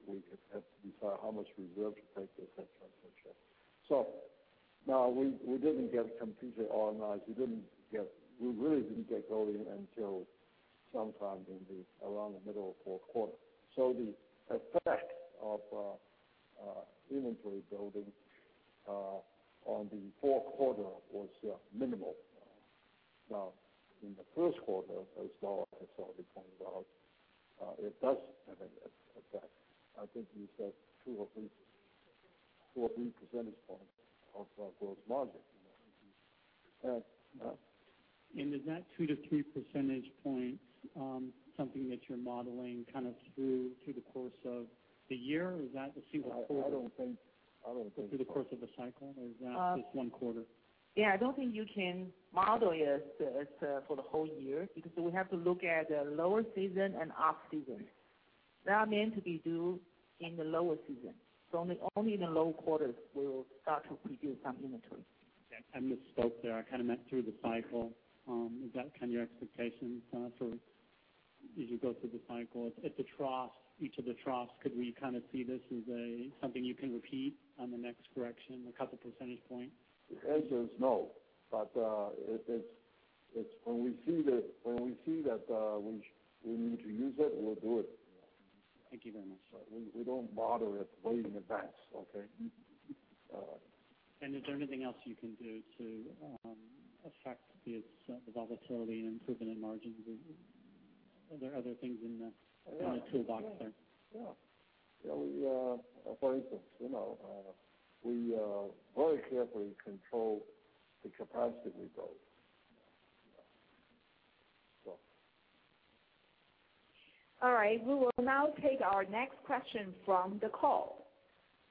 we have to decide how much reserve to take, et cetera, et cetera. Now we didn't get completely organized. We really didn't get going until sometime around the middle of fourth quarter. The effect of inventory building on the fourth quarter was minimal. In the first quarter, as Lora has already pointed out, it does have an effect. I think she said two or three percentage points of gross margin. Is that two to three percentage points something that you're modeling through the course of the year? Is that to see what? I don't think so through the course of the cycle, or is that just one quarter? Yeah, I don't think you can model it as for the whole year, because we have to look at the lower season and off-season. They are meant to be due in the lower season. Only the low quarters will start to produce some inventory. Okay. I misspoke there. I kind of meant through the cycle. Is that kind of your expectations for as you go through the cycle? At each of the troughs, could we kind of see this as something you can repeat on the next correction, a couple percentage points? The answer is no. When we see that we need to use it, we'll do it. Thank you very much. We don't model it way in advance, okay? Is there anything else you can do to affect the volatility and improvement in margins? Are there other things in the toolbox there? Yeah. For instance, we very carefully control the capacity build. All right. We will now take our next question from the call.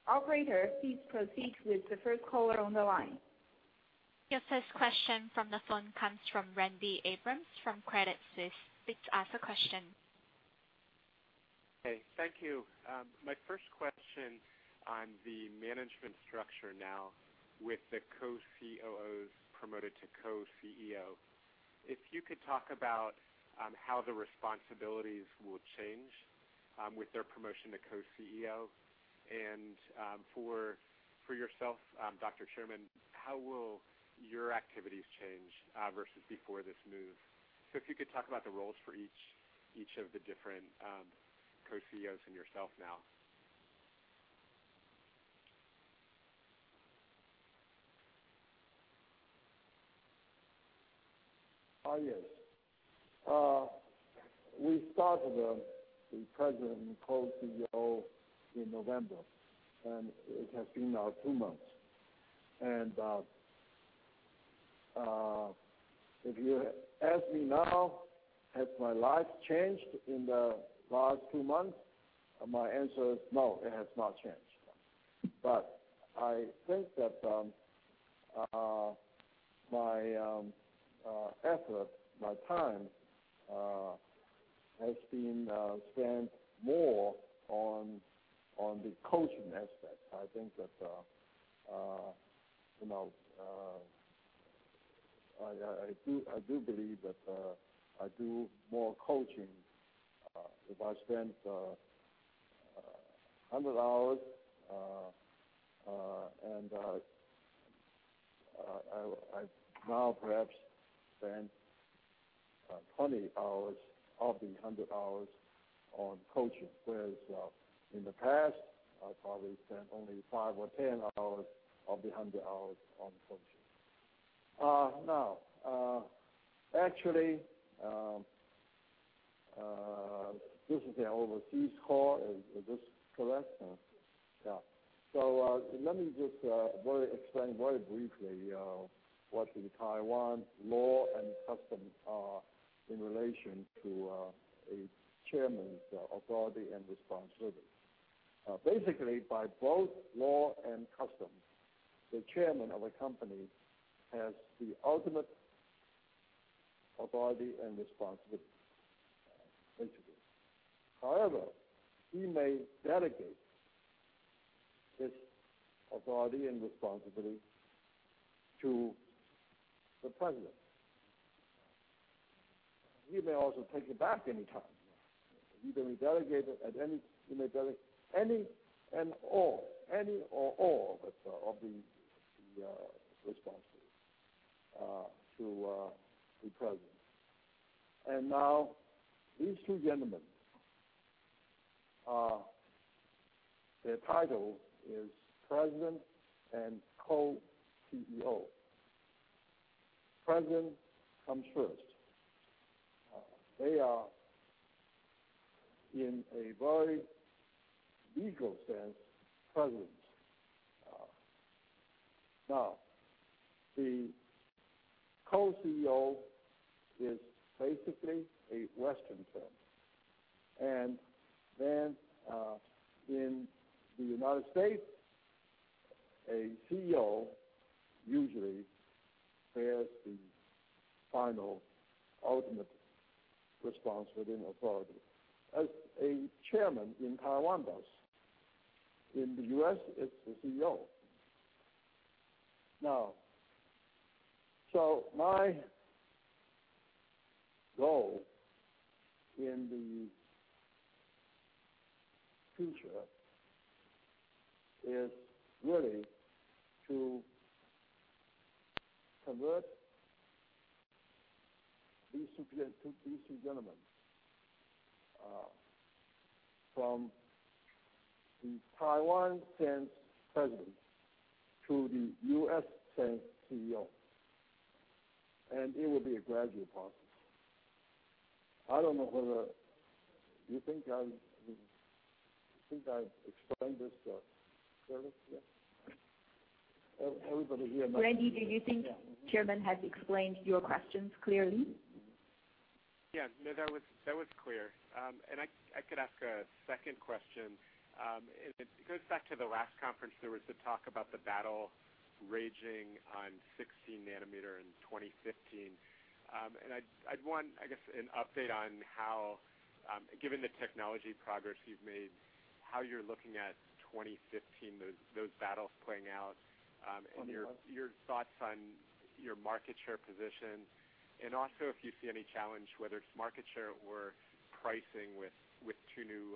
Operator, please proceed with the first caller on the line. Your first question from the phone comes from Randy Abrams from Credit Suisse. Please ask the question. Hey. Thank you. My first question on the management structure now with the Co-COOs promoted to Co-CEO. If you could talk about how the responsibilities will change with their promotion to Co-CEO. For yourself, Dr. Chang, how will your activities change versus before this move? If you could talk about the roles for each of the different Co-CEOs and yourself now. Yes. We started the present Co-CEO in November, and it has been now two months. If you ask me now, has my life changed in the last two months? My answer is no, it has not changed. I think that my effort, my time has been spent more on the coaching aspect. I do believe that I do more coaching. If I spent 100 hours, I now perhaps spend 20 hours of the 100 hours on coaching, whereas in the past, I probably spent only five or 10 hours of the 100 hours on coaching. Actually, this is an overseas call. Is this correct? Yeah. Let me just explain very briefly what the Taiwan law and customs are in relation to a chairman's authority and responsibility. Basically, by both law and custom, the chairman of a company has the ultimate authority and responsibility. However, he may delegate this authority and responsibility to the President. He may also take it back anytime. He may delegate any and all of the responsibilities to the President. These two gentlemen, their title is President and Co-CEO. President comes first. They are, in a very legal sense, Presidents. The Co-CEO is basically a Western term, in the U.S., a CEO usually bears the final ultimate responsibility and authority as a Chairman in Taiwan does. In the U.S., it's the CEO. My goal in the future is really to convert these two gentlemen from the Taiwan sense President to the U.S. sense CEO, and it will be a gradual process. Do you think I've explained this clearly? Yes? Randy, do you think Chairman has explained your questions clearly? No, that was clear. I could ask a second question. It goes back to the last conference. There was the talk about the battle raging on 16 nanometer in 2015. I'd want, I guess, an update on how, given the technology progress you've made, how you're looking at 2015, those battles playing out. On what? Your thoughts on your market share position, and also if you see any challenge, whether it's market share or pricing with two new-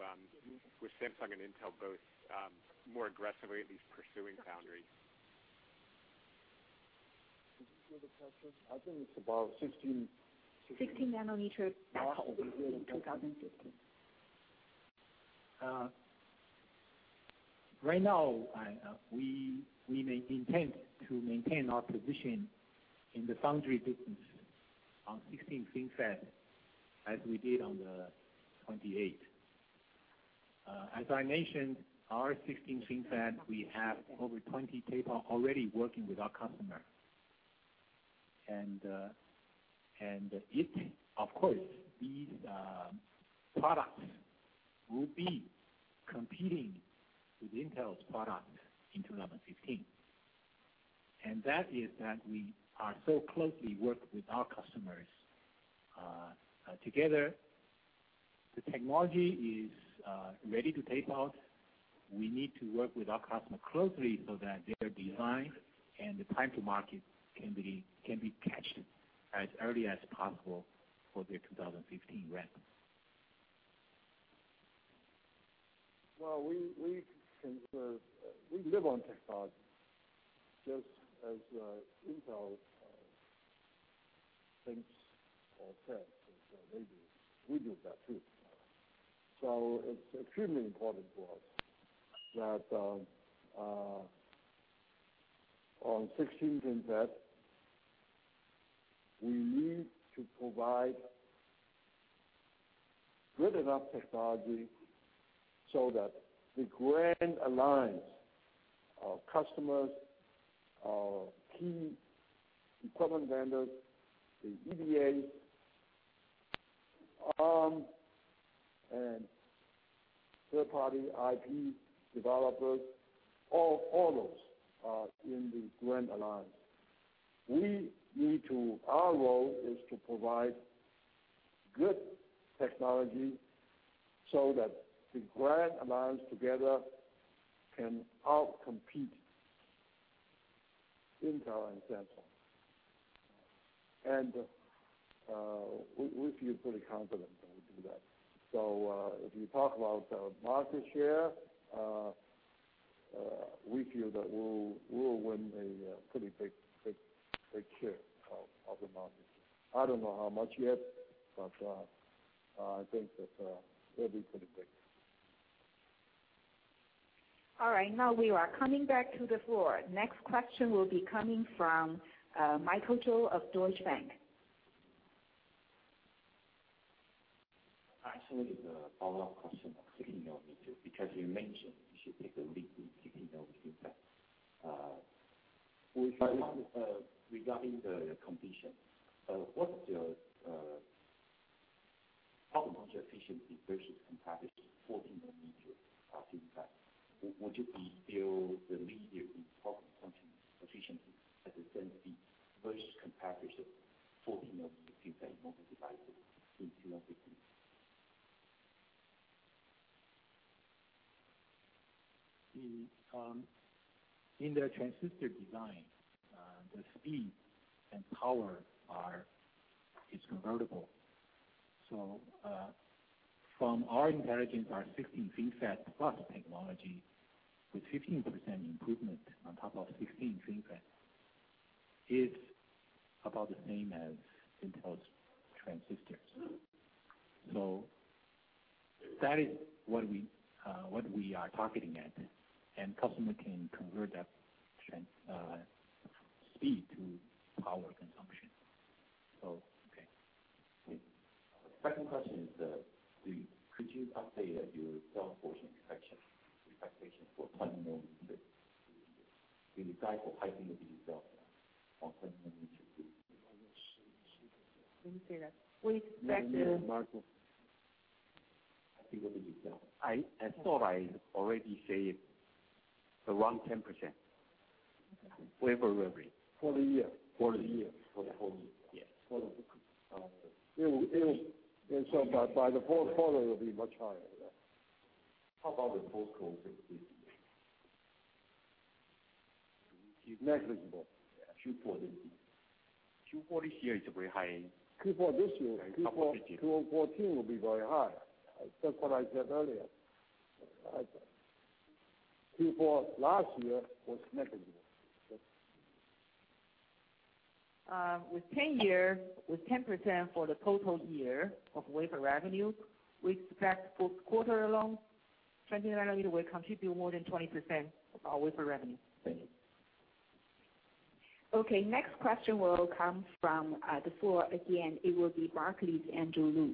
with Samsung and Intel both more aggressively at least pursuing foundry. Could you repeat the question? I think it's about 16- 16 nanometer battle in 2015. Oh, 16 nanometer. Right now, we may intend to maintain our position in the foundry business on 16 FinFET, as we did on the 28. As I mentioned, our 16 FinFET, we have over 20 tape out already working with our customer. Of course, these products will be competing with Intel's product in 2015. That is that we are so closely working with our customers together. The technology is ready to tape out. We need to work with our customer closely so that their design and the time to market can be catched as early as possible for their 2015 ramp. Well, we live on technology just as Intel thinks or says, maybe we do that too. It's extremely important to us that on 16 FinFET, we need to provide good enough technology so that the grand alliance of customers, our key equipment vendors, the EDA, Arm, and third-party IP developers, all those are in the grand alliance. Our role is to provide good technology so that the grand alliance together can out-compete Intel and Samsung. We feel pretty confident that we'll do that. If you talk about market share, we feel that we'll win a pretty big share of the market. I don't know how much yet, but I think that it'll be pretty big. All right. Now we are coming back to the floor. Next question will be coming from Michael Chou of Deutsche Bank. Actually, it's a follow-up question on 16 nanometer, because you mentioned you should take the lead. We should comment regarding the competition. What's your power consumption efficiency versus competitors 14 nanometer FinFET? Would you be still the leader in power consumption efficiency at the same speed versus competitors of 14 nanometer FinFET normal devices in 2015? In their transistor design, the speed and power are convertible. From our intelligence, our 16 FinFET+ technology, with 15% improvement on top of 16 FinFET, is about the same as Intel's transistors. That is what we are targeting at, and customer can convert that speed to power consumption. Okay. Second question is, could you update your gross margin expectation for 20 nanometer? The guide for high single-digit growth on 20 nanometer. Didn't hear that. We expect. Mark. I think it will be down. I thought I already said around 10% wafer revenue. For the year. For the year. For the whole year. Yes. It will, by the fourth quarter, will be much higher, yeah. How about the full 2016? Negligible. Q4 will be. Q4 this year is very high- Q4 this year- Q4 2014 will be very high. That's what I said earlier. Q4 last year was negligible. With 10% for the total year of wafer revenue, we expect full quarter along, 20-nanometer will contribute more than 20% of our wafer revenue. Thank you. Okay, next question will come from the floor again. It will be Barclays, Andrew Lu.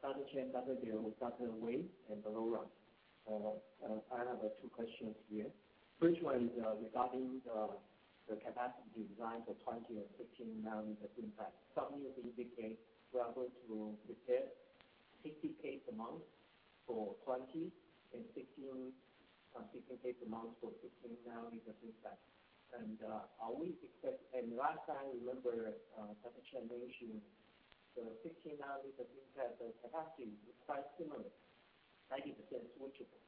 Dr. Chang, Dr. Liu, Dr. Wei, and Lora. I have two questions here. First one is regarding the capacity design for 20-nanometer and 16-nanometer FinFET. Some of you indicate you are going to prepare 60Ks a month for 20 and 60Ks a month for 16-nanometer FinFET. Last time, remember, Dr. Chang mentioned the 16-nanometer FinFET capacity is quite similar, 90% switchable.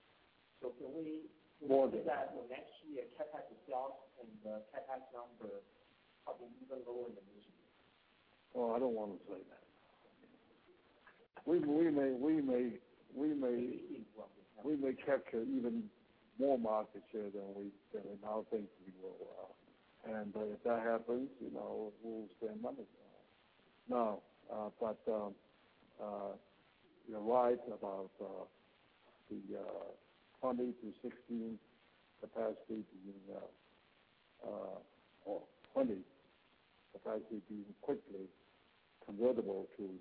can we- More than. Do that for next year, CapEx itself and the CapEx number, probably even lower than this year? Oh, I don't want to say that. We may- Maybe equal. We may capture even more market share than we now think we will. If that happens, we'll spend money. You're right about the 20 to 16 capacity, or 20 capacity being quickly convertible to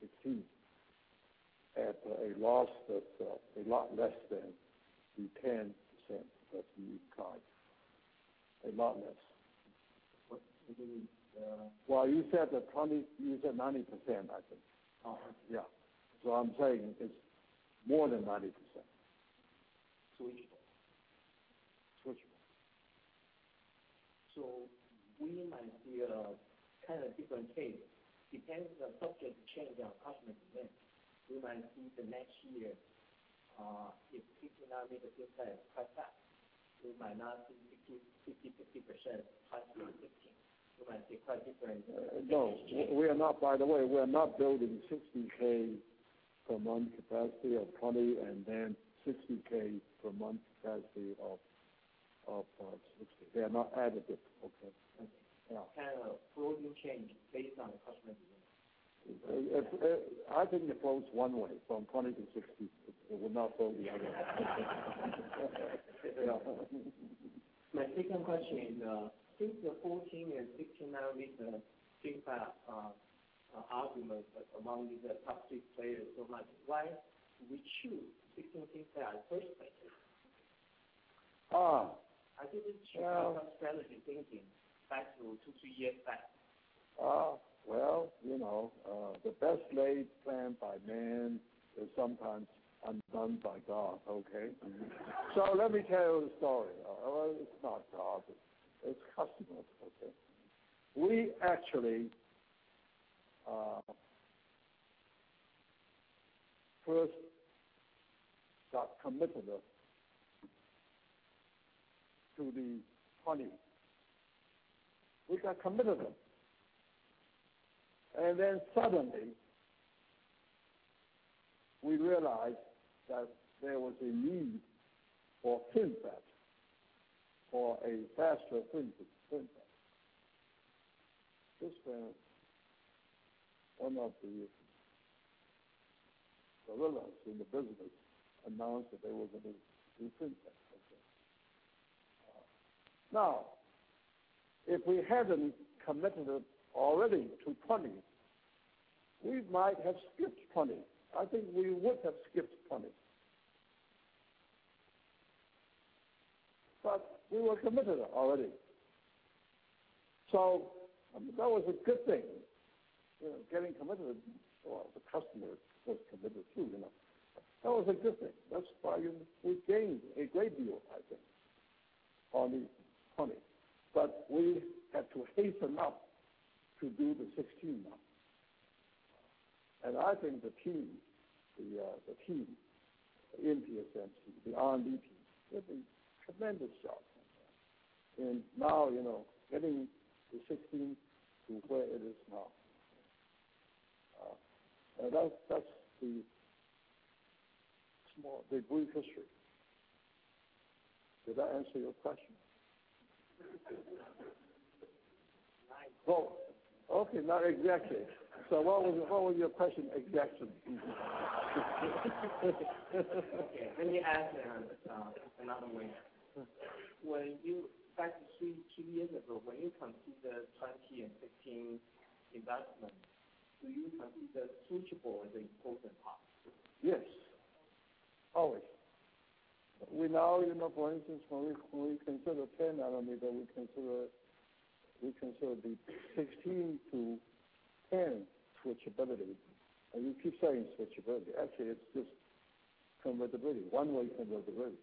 16, at a loss that's a lot less than the 10% that you cite. A lot less. What do you mean? Well, you said 90%, I think. Yeah. I'm saying it's more than 90%. Switchable. Switchable. We might see a kind of different case. Depends on subject change on customer demand. We might see the next year, if 16 nanometer FinFET is quite packed, we might not see 50/50% 20 and 16. No. We are not, by the way, we are not building 60K per month capacity of 20 and then 60K per month capacity of 16. They are not additive. Okay, thank you. Yeah. Kind of a floating change based on the customer demand. I think it floats one way, from 20 to 16. It will not float the other way. Yeah. My second question is, since the 14 and 16 nanometer FinFET argument among the top six players so much, why we choose 16 FinFET at first place? I think it's your strategy thinking back to two, three years back. Well, the best laid plan by men is sometimes undone by God, okay. Let me tell you a story. Well, it's not God, it's customers, okay. We actually first got committed to the 20. We got committed. Suddenly, we realized that there was a need for FinFET, for a faster FinFET. This meant one of the gorillas in the business announced that they were going to do FinFET, okay. Now, if we hadn't committed already to 20, we might have skipped 20. I think we would have skipped 20. We were committed already. That was a good thing, getting committed, well, the customer was committed too. That was a good thing. That's why we gained a great deal, I think, on the 20. We had to hasten up to do the 16 now. I think the team in TSMC, the R&D team, did a tremendous job in now getting the 16 to where it is now. That's the brief history. Did that answer your question? Oh, okay. Not exactly. What was your question exactly? Okay. Let me ask another way. Two years ago, when you considered 20 and 16 investments, do you consider switchable as an important part? Yes. Always. For instance, when we consider 10 nanometer, we consider the 16 to 10 switchability. We keep saying switchability. Actually, it's just convertibility. One-way convertibility.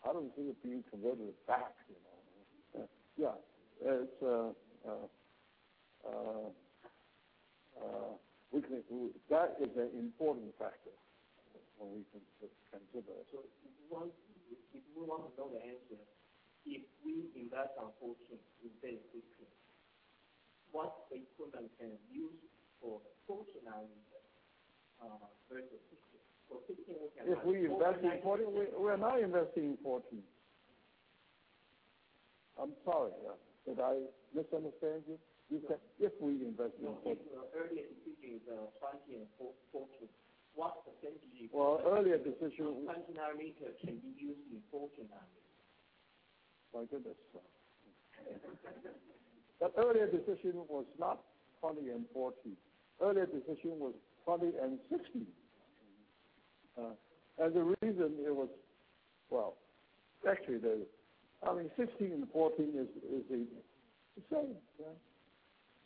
I don't see it being converted back. That is an important factor when we consider. If we want to know the answer, if we invest our fortune in 10, 15, what equipment can use for 14 nanometer versus 16. If we invest in 14, we're not investing in 14. I'm sorry. Did I misunderstand you? You said if we invest in 14. No, if earlier decision is 20 and 14, what percentage- Well, earlier decision- of 20 nanometer can be used in 14 nanometer? My goodness. The earlier decision was not 20 and 14. Earlier decision was 20 and 16. The reason it was Well, actually, 16 and 14 is the same.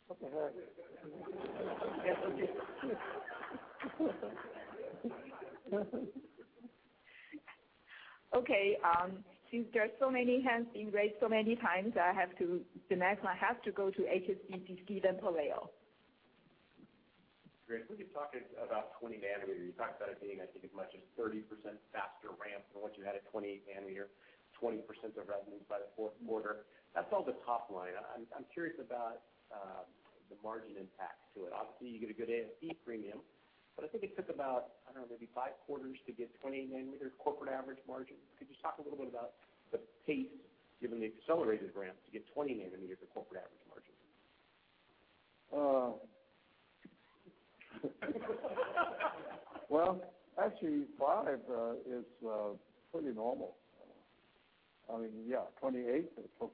What the heck? Okay. Since there's so many hands being raised so many times, I have to go to HSBC, Steven Pelayo. Great. When you're talking about 20 nanometer, you talked about it being, I think, as much as 30% faster ramp than once you had at 28 nanometer, 20% of revenue by the fourth quarter. That's all the top line. I'm curious about the margin impact to it. Obviously, you get a good ASP premium, but I think it took about, I don't know, maybe five quarters to get 28 nanometer corporate average margin. Could you talk a little bit about the pace, given the accelerated ramp to get 20 nanometer for corporate average margin? Well, actually, five is pretty normal. I mean, yeah, 28, it took,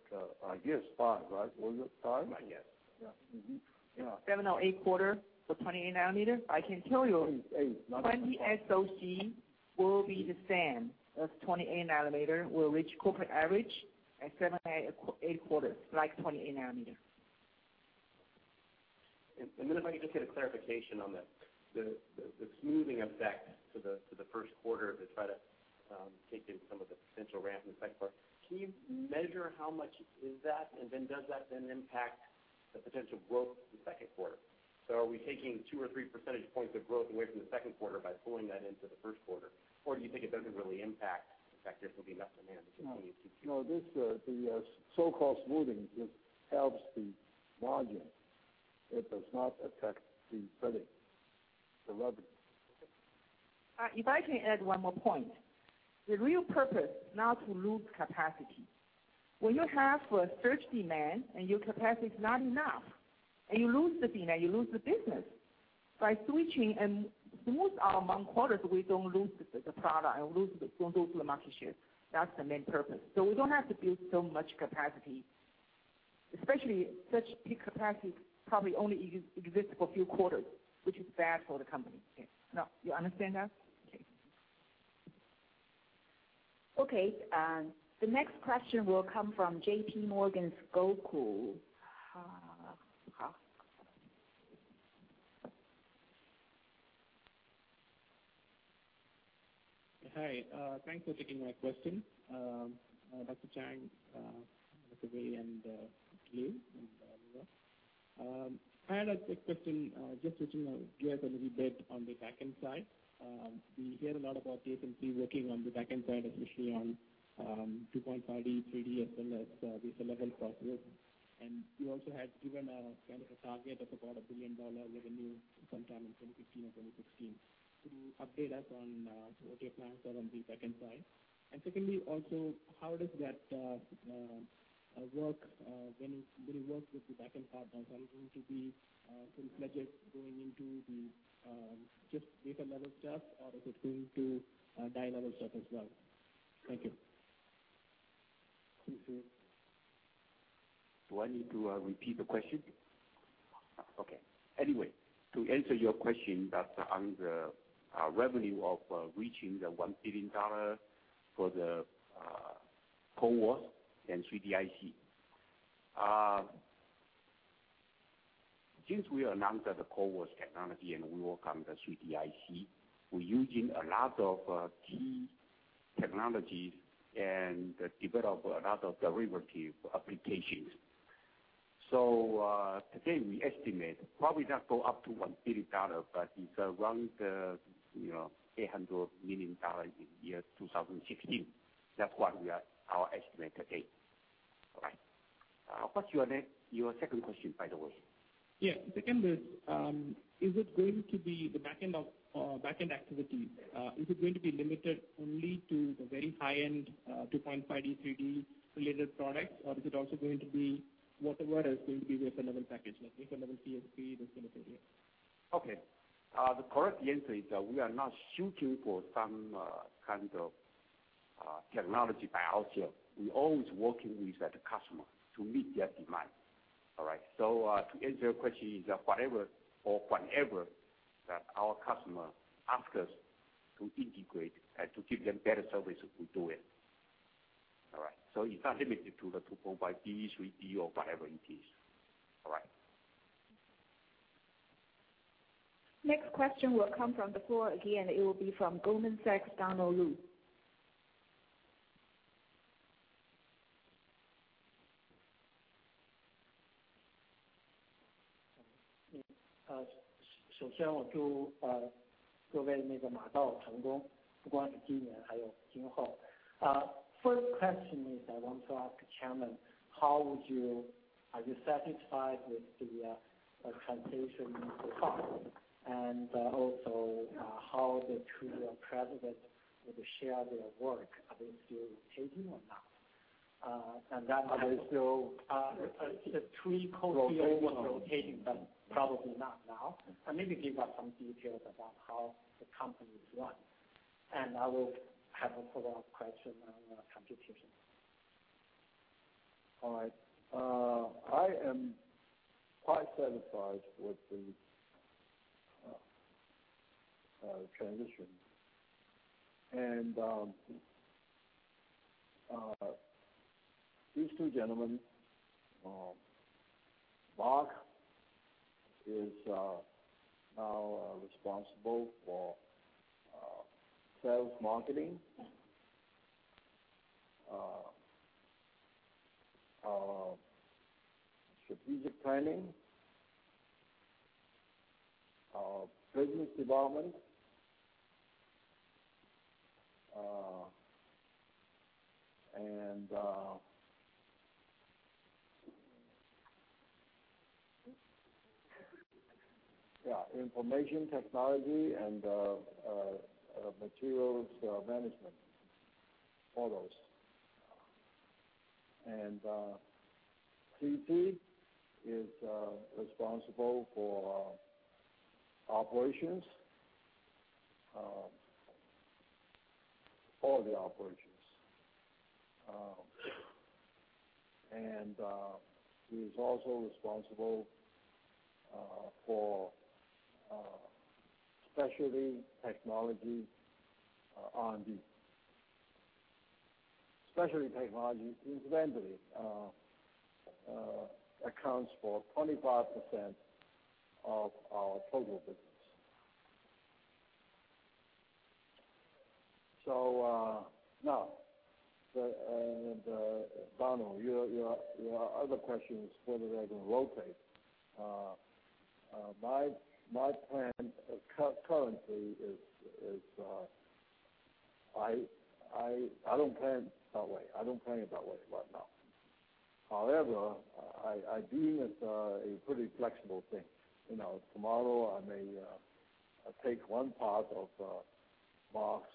I guess five, right? Was it five? I guess. Yeah. Mm-hmm. 7 or 8 quarter for 28 Nanometer. I can tell you. Eight 20SoC will be the same as 28 Nanometer, will reach corporate average at 7, 8 quarters, like 28 Nanometer. If I could just get a clarification on the smoothing effect to the first quarter to try to take in some of the potential ramp in the second quarter? Can you measure how much is that? Does that then impact the potential growth in the second quarter? Are we taking 2 or 3 percentage points of growth away from the second quarter by pulling that into the first quarter? Do you think it doesn't really impact the fact there will be enough demand to continue to- No. The so-called smoothing, it helps the margin. It does not affect the revenue. If I can add one more point. The real purpose, not to lose capacity. When you have a surge demand and your capacity is not enough, and you lose the demand, you lose the business. By switching and smooth our among quarters, we don't lose the product and don't lose the market share. That's the main purpose. We don't have to build so much capacity, especially such peak capacity probably only exist for a few quarters, which is bad for the company. You understand that? Okay. The next question will come from JPMorgan's Gokul Hariharan. Hi. Thanks for taking my question. Dr. Chang, Dr. Wei and C.C. Wei and Lora Ho. I had a quick question, just switching gears a little on the back-end side. We hear a lot about TSMC working on the back-end side, especially on 2.5D, 3D, as well as die-level InFO. You also had given a kind of a target of about a 1 billion dollars revenue sometime in 2015 or 2016. Can you update us on what your plans are on the back-end side? Secondly, also, how does that work when you work with the back-end partners? Are you going to be some budgets going into the just die-level stuff, or is it going to die-level stuff as well? Thank you. Excuse me. Do I need to repeat the question? Okay. To answer your question on the revenue of reaching the 1 billion dollar for the CoWoS and 3D IC. Since we announced the CoWoS technology and we work on the 3D IC, we're using a lot of key technologies and develop a lot of derivative applications. Today we estimate probably not go up to 1 billion dollar, but it's around 800 million dollar in 2016. That's our estimate today. All right. What's your second question, by the way? Yeah. Second is, the back-end activity, is it going to be limited only to the very high-end, 2.5D, 3D related products? Or is it also going to be whatever is going to be wafer level package, like Wafer-Level Chip-Scale Packaging, those kind of things? Okay. The correct answer is that we are not shooting for some kind of technology by ourselves. We're always working with the customer to meet their demand. All right? To answer your question is that whatever or whenever that our customer ask us to integrate and to give them better service, we do it. All right. It's not limited to the 2.5D, 3D, or whatever it is. All right. Next question will come from the floor again. It will be from Goldman Sachs, Donald Lu. First question is I want to ask the Chairman, are you satisfied with the transition so far? Also, how the two presidents will share their work? Are they still rotating or not? Are they still? The three Co-CEOs were rotating, probably not now. Maybe give us some details about how the company is run, I will have a follow-up question on competition. All right. I am quite satisfied with the transition. These two gentlemen, Mark is now responsible for sales, marketing, strategic planning, business development, information technology and materials management. All those. C.C. is responsible for operations, all the operations. He's also responsible for specialty technology, R&D. Specialty technology, incidentally, accounts for 25% of our total business. Donald, your other question is whether they're going to rotate. My plan currently is I don't plan that way right now. However, I view it as a pretty flexible thing. Tomorrow, I may take one part of Mark's,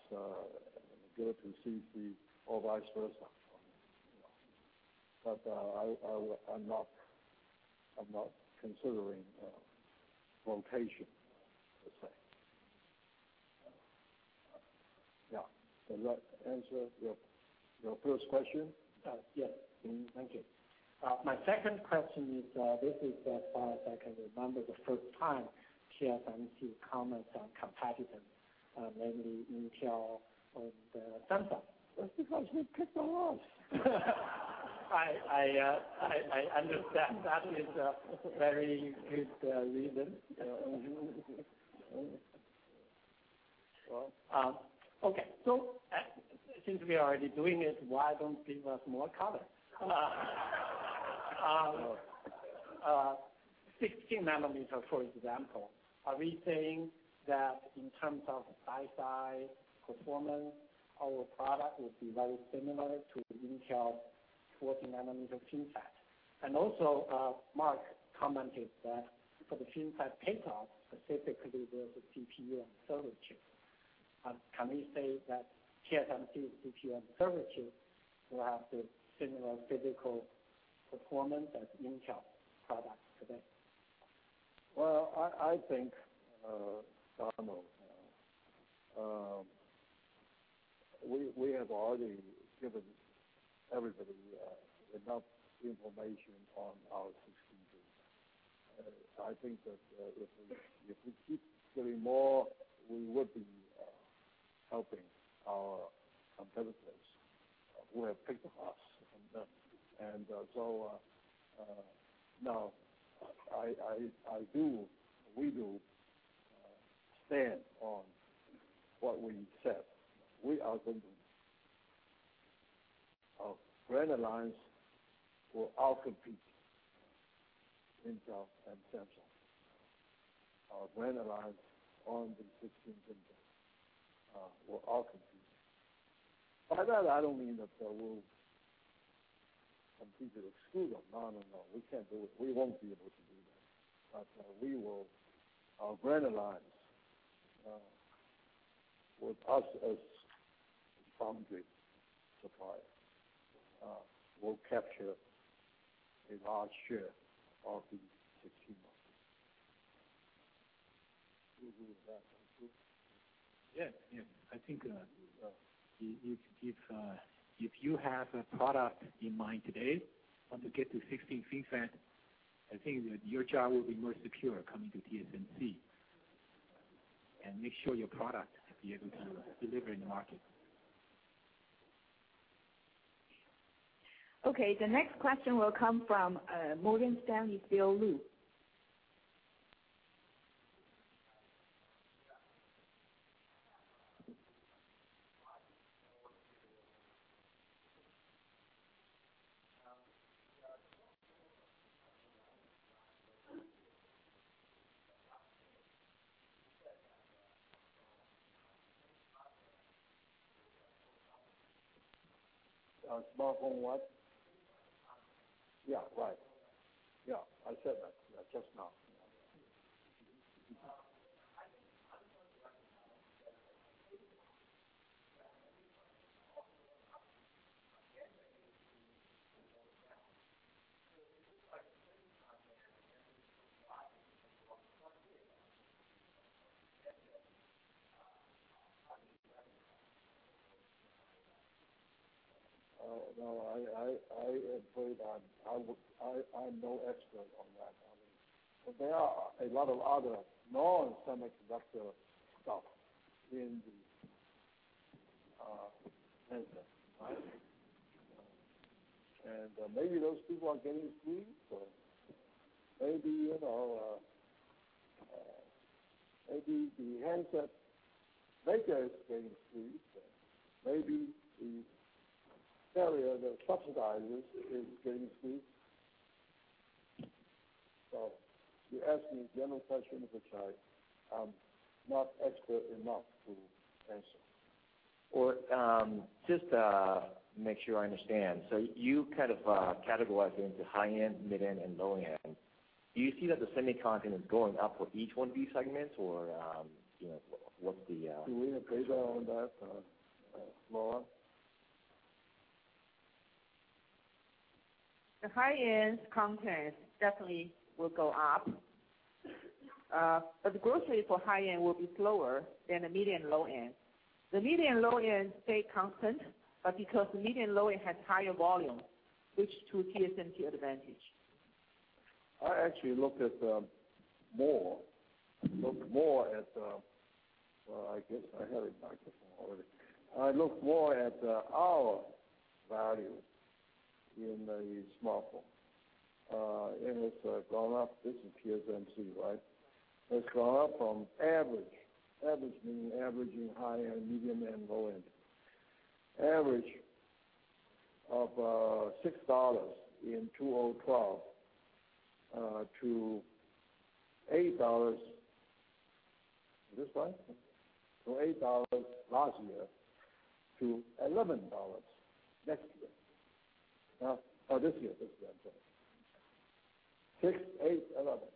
give it to C.C., or vice versa. I'm not considering rotation, per se. Yeah. Does that answer your first question? Yes. Thank you. My second question is, this is as far as I can remember, the first time TSMC comments on competitors, namely Intel and Samsung. That's because you picked the ones. I understand. That is a very good reason. Okay. Why don't give us more color? 16 nanometer, for example, are we saying that in terms of die size, performance, our product would be very similar to Intel 14 nanometer FinFET? Also, Mark commented that for the FinFET pickup, specifically with the CPU and server chip. Can we say that TSMC CPU and server chip will have the similar physical performance as Intel product today? Well, I think, Donald, we have already given everybody enough information on our 16nm. I think that if we keep giving more, we would be helping our competitors who have picked us. Now, we do stand on what we said. Our Grand Alliance will out-compete Intel and Samsung. Our Grand Alliance on the 16 FinFET will out-compete. By that, I don't mean that we'll compete to exclude them. No, we can't, we won't be able to do that. Our Grand Alliance, with us as the foundry supplier, will capture a large share of the 16 market. Do you agree with that, Mark Liu? Yes. I think if you have a product in mind today, want to get to 16 FinFET, I think that your job will be more secure coming to TSMC, and make sure your product will be able to deliver in the market. Okay. The next question will come from Morgan Stanley's Bill Lu. Smartphone what? Smartphone Yeah, right. Yeah, I said that just now. No, I'm no expert on that. There are a lot of other non-semiconductor stuff in the handset. Maybe those people are getting squeezed, or maybe the handset maker is getting squeezed, or maybe the carrier, the subsidizers is getting squeezed. You're asking me a general question, which I'm not expert enough to answer. Just to make sure I understand. You kind of categorized it into high-end, mid-end, and low-end. Do you see that the semiconductor is going up for each one of these segments, or what's the- Do we have data on that, Lora? The high-end content definitely will go up, but the growth for high-end will be slower than the mid and low-end. The mid and low-end stay constant, but because mid and low-end has higher volume, which to TSMC advantage. Well, I guess I had a microphone already. I actually look more at our value in the smartphone. It's gone up. This is TSMC, right? It's gone up from average meaning averaging high-end, mid-end, and low-end. Average of 6 dollars in 2012 to TWD 8-- This one? To 8 dollars last year, to 11 dollars this year. Six, eight, eleven.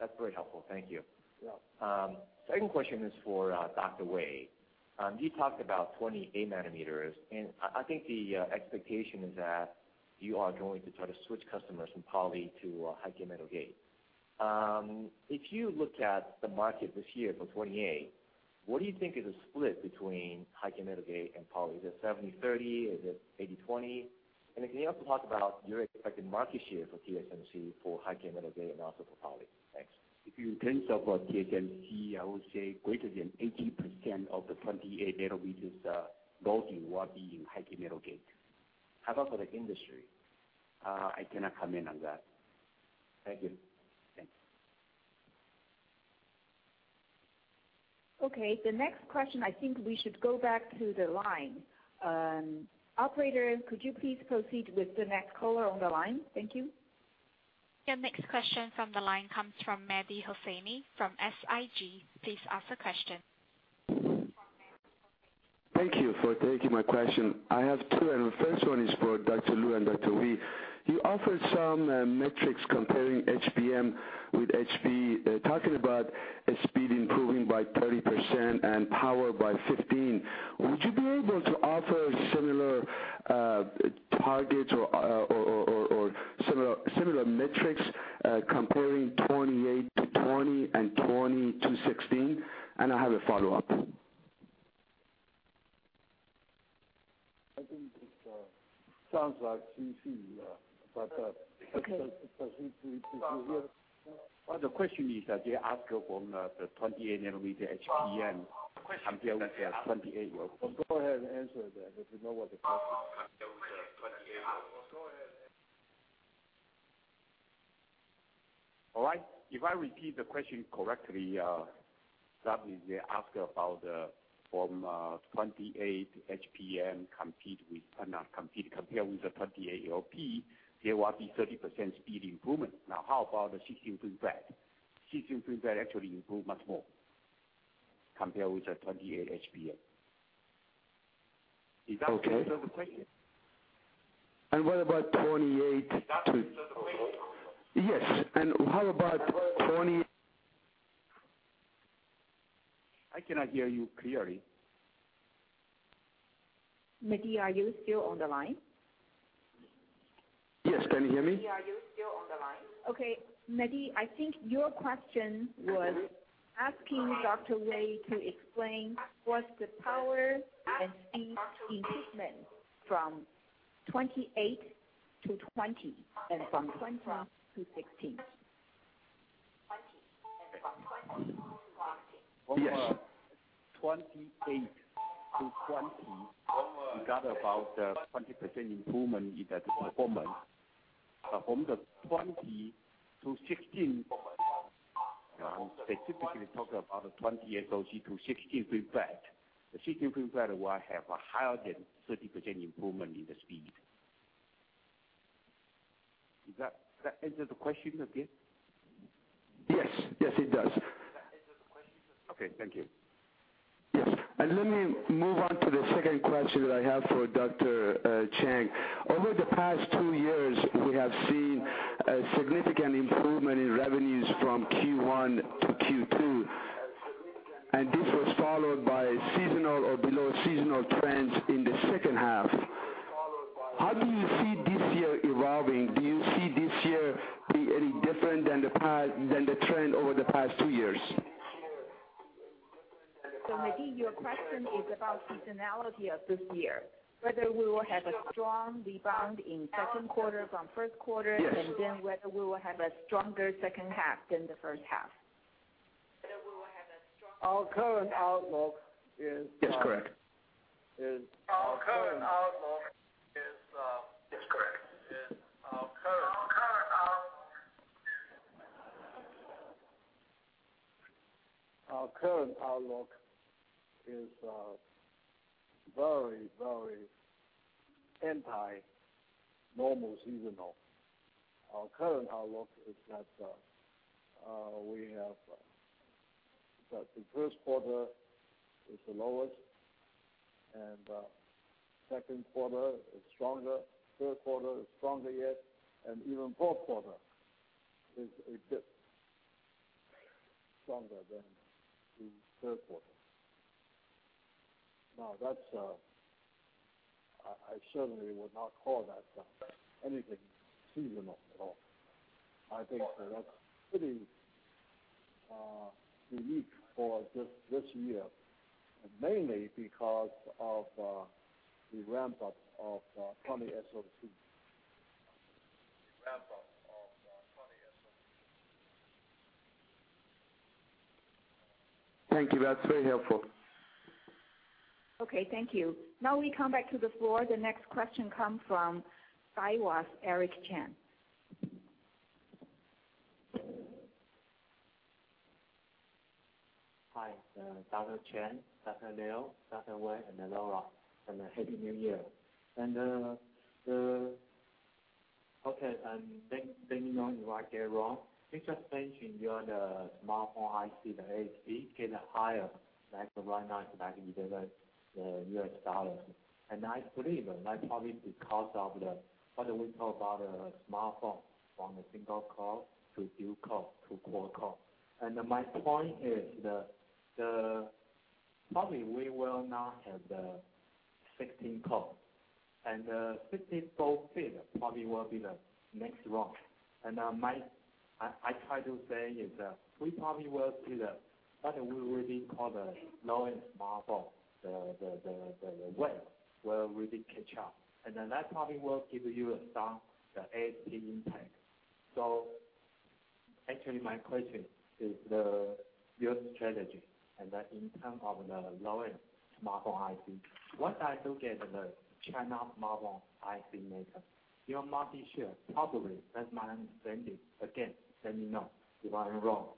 That's very helpful. Thank you. You're welcome. Second question is for Dr. Wei. I think the expectation is that you are going to try to switch customers from poly to High-K metal gate. If you look at the market this year for 28, what do you think is a split between High-K metal gate and poly? Is it 70/30? Is it 80/20? Can you also talk about your expected market share for TSMC for High-K metal gate and also for poly? Thanks. In terms of TSMC, I would say greater than 80% of the 28 nanometers built will be in High-K metal gate. How about for the industry? I cannot comment on that. Thank you. Thanks. Okay. The next question, I think we should go back to the line. Operator, could you please proceed with the next caller on the line? Thank you. The next question from the line comes from Mehdi Hosseini from SIG. Please ask the question. Thank you for taking my question. I have two. The first one is for Dr. Liu and Dr. Wei. You offered some metrics comparing HPM with LP, talking about speed improving by 30% and power by 15%. Would you be able to offer similar targets or similar metrics, comparing '28 to '20 and '20 to '16? I have a follow-up. I think it sounds like. Did you hear? Well, the question is that they ask from the 28 nanometer HPM compared with the 28 LP. Go ahead and answer that, if you know what the question is. All right. If I repeat the question correctly, they ask about from 28 HPM, compared with the 28 LP, there will be 30% speed improvement. Now, how about the 16 FinFET? 16 FinFET actually improve much more compared with the 28 HPM. Okay. Does that answer the question? What about 28 to- Does that answer the question? Yes, how about 20? I cannot hear you clearly. Mehdi, are you still on the line? Yes. Can you hear me? Mehdi, are you still on the line? Okay, Mehdi, I think your question was asking Dr. Wei to explain what's the power and speed improvement from 28 to 20 and from 20 to 16. Yes. From 28 to 20, we got about 20% improvement in the performance. From the 20 to 16, specifically talk about 20SoC to 16 FinFET. The 16 FinFET will have a higher than 30% improvement in the speed. Does that answer the question, again? Yes. Yes, it does. Okay. Thank you. Yes. Let me move on to the second question that I have for Dr. Chang. Over the past two years, we have seen a significant improvement in revenues from Q1 to Q2. This was followed by seasonal or below seasonal trends in the second half. How do you see this year evolving? Do you see this year being any different than the trend over the past two years? Mehdi, your question is about seasonality of this year, whether we will have a strong rebound in the second quarter from the first quarter, Yes Whether we will have a stronger second half than the first half. Our current outlook is. Yes, correct. Our current outlook is- Yes, correct. Our current outlook is very anti normal seasonal. Our current outlook is that the first quarter is the lowest, second quarter is stronger, third quarter is stronger yet, even fourth quarter is a bit stronger than the third quarter. I certainly would not call that anything seasonal at all. I think that that's pretty unique for this year. Mainly because of the ramp-up of 20SoC. Thank you. That's very helpful. Thank you. We come back to the floor. The next question comes from Daiwa Securities' Eric Chen. Hi, Dr. Chang, Dr. Liu, Dr. C.C. Wei, and Lora, Happy New Year. Let me know if I get it wrong. You just mentioned your smartphone IC, the ASP getting higher. Right now, it's like $11. I believe, probably because of the, what do we call about a smartphone from a single core to dual core to quad core. My point is that, probably we will now have the 16 core, and 16 core FinFET probably will be the next launch. I try to say is that we probably will see the, what do we really call the low-end smartphone, the [ramp] will really catch up. That probably will give you some ASP impact. Actually, my question is your strategy in terms of the low-end smartphone IC. Once I look at the China smartphone IC maker, your market share probably, if I'm saying this, again, let me know if I'm wrong.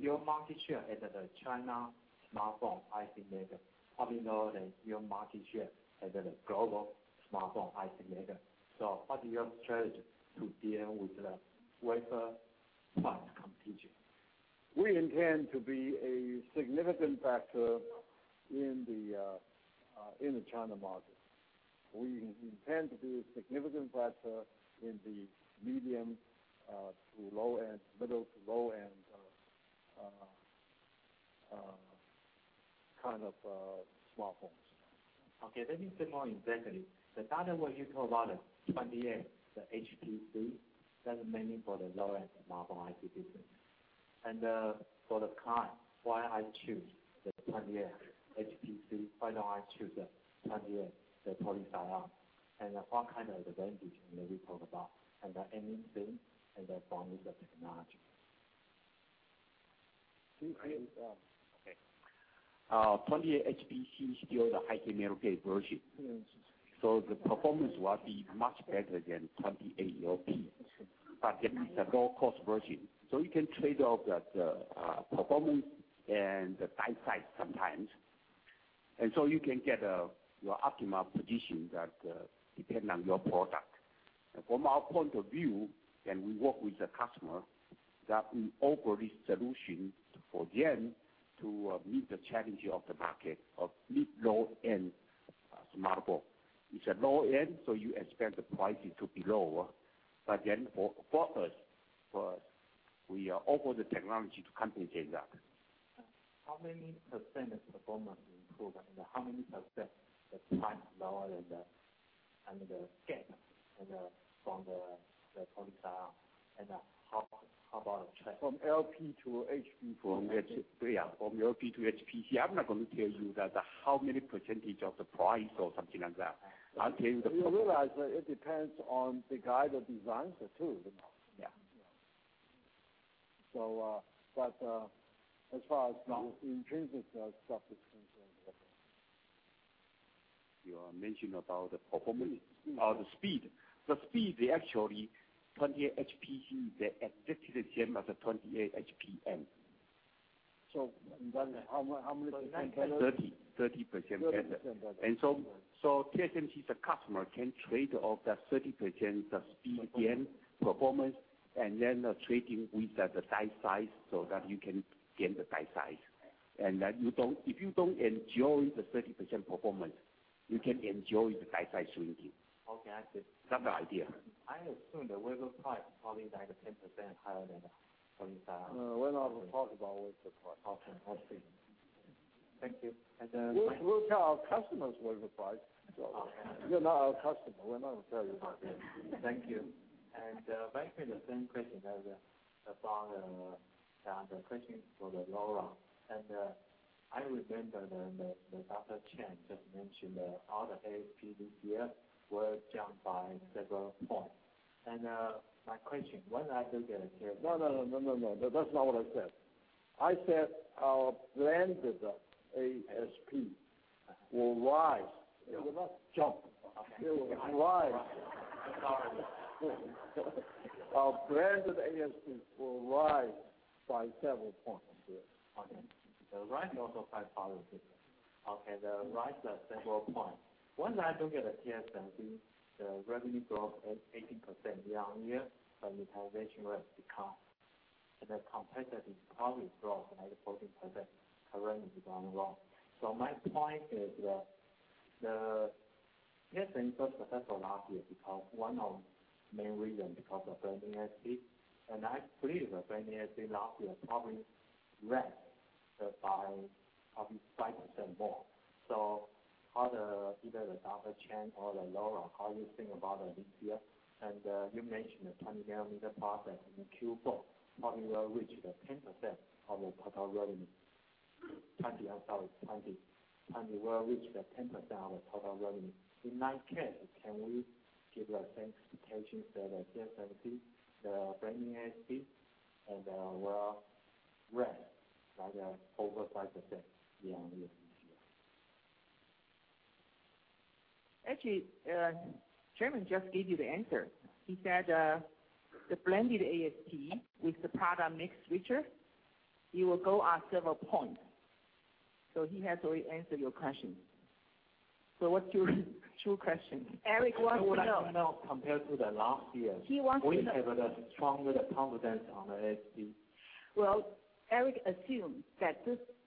Your market share as the China smartphone IC maker, probably lower than your market share as the global smartphone IC maker. What is your strategy to deal with the wafer fab competition? We intend to be a significant factor in the China market. We intend to be a significant factor in the medium to low-end, middle to low-end Kind of smartphones. Okay, let me say more exactly. The data where you talk about the 28, the HPC, that's mainly for the lower-end mobile applications. For the client, why I choose the 28 HPC, why don't I choose the 28, the poly/SiON, what kind of advantage can we talk about? The ending thing, then finally, the technology. 28, yeah. Okay. 28 HPC is still the High-K metal gate version. Yes. The performance will be much better than 28 LP. It is a low-cost version. You can trade off the performance and the die size sometimes. You can get your optimal position that depends on your product. From our point of view, and we work with the customer, that we offer this solution for them to meet the challenge of the market, of mid, low-end smartphone. It's a low-end, you expect the pricing to be lower. For us, we offer the technology to compensate that. How many % is performance improvement and how many % the price is lower than the gap from the poly/SiON and how about the trade? From LP to HP. From HP. Yeah. From LP to HPC. I'm not going to tell you how many % of the price or something like that. I'll tell you the You realize that it depends on the kind of designs too. Yeah. As far as the intrinsic stuff is concerned. You are mentioning about the performance or the speed. The speed, actually, 28 HPC, they're exactly the same as the 28 HPM. How many % better? 30% better. 30% better. TSMC, the customer, can trade off that 30% the speed again, performance, and then trading with the die size, so that you can get the die size. Right. If you don't enjoy the 30% performance, you can enjoy the die size shrinking. Okay, I see. That's the idea. I assume the wafer price is probably like 10% higher than the poly/SiON. We're not going to talk about wafer price. Okay. Thank you. We will tell our customers wafer price. Okay. You're not our customer, we're not going to tell you that. Thank you. Basically, the same question as the founder, the question for Lora. I remember that Dr. Chang just mentioned that all the ASPs here were down by several points. My question, when I look at. No, that's not what I said. I said our blended ASP will rise. It will not jump, it will rise. Sorry. Our blended ASP will rise by several points. The rise also quite positive. The rise of several points. When I look at the TSMC, the revenue growth is 18% year-on-year, but utilization rate is down. The competitor probably grows another 14% currently year-on-year. My point is that TSMC's success last year is because one of the main reasons because of blended ASP, and I believe the blended ASP last year probably rose by probably 5% more. Either Morris Chang or Lora Ho, how you think about this year? You mentioned the 20 nanometer process in Q4 probably will reach the 10% of the total revenue. Sorry, 20 will reach the 10% of the total revenue. In that case, can we give the same expectations that the TSMC, the blended ASP, and will rise by over 5% year-on-year? Actually, chairman just gave you the answer. He said the blended ASP with the product mix richer, it will go up several points. He has already answered your question. What's your true question? Eric Chen wants to know- I would like to know compared to the last year- He wants to know. We have a stronger confidence on the ASP. Well, Eric assumed that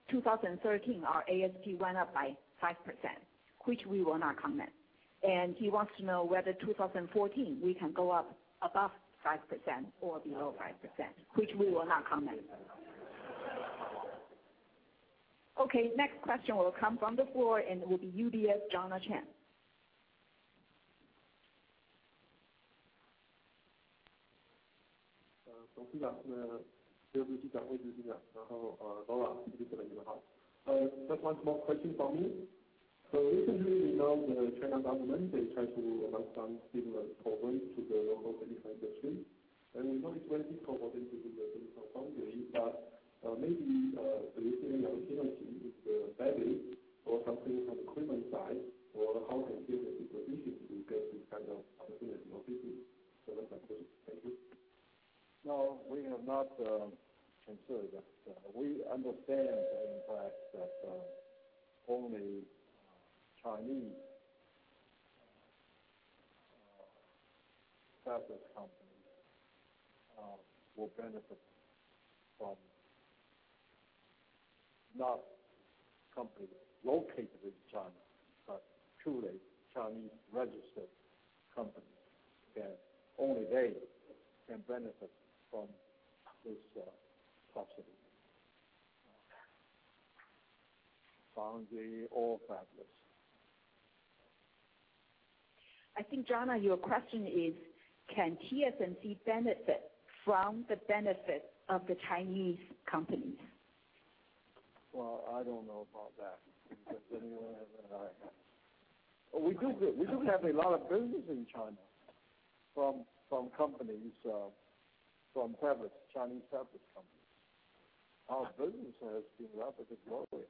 2013, our ASP went up by 5%, which we will not comment. He wants to know whether 2014 we can go up above 5% or below 5%, which we will not comment. Okay, next question will come from the floor, and it will be UBS, Jonah Cheng. Just one small question from me. Recently, we know the China government, they try to launch some stimulus programs to the local semi industry. We know it's very difficult for them to do the semiconductor, but maybe, you think there is an opportunity with the fabless or something from equipment side or how can TSMC position to get this kind of opportunity or business? That's my question. Thank you. No, we have not considered that. We understand the impact that only Chinese fabless companies will benefit from. Not companies located in China, but truly Chinese-registered companies, that only they can benefit from. This subsidy. Funding all fabless. I think, Jonah, your question is, can TSMC benefit from the benefit of the Chinese companies? Well, I don't know about that. Does anyone have an idea? We do have a lot of business in China from Chinese fabless companies. Our business has been rapidly growing.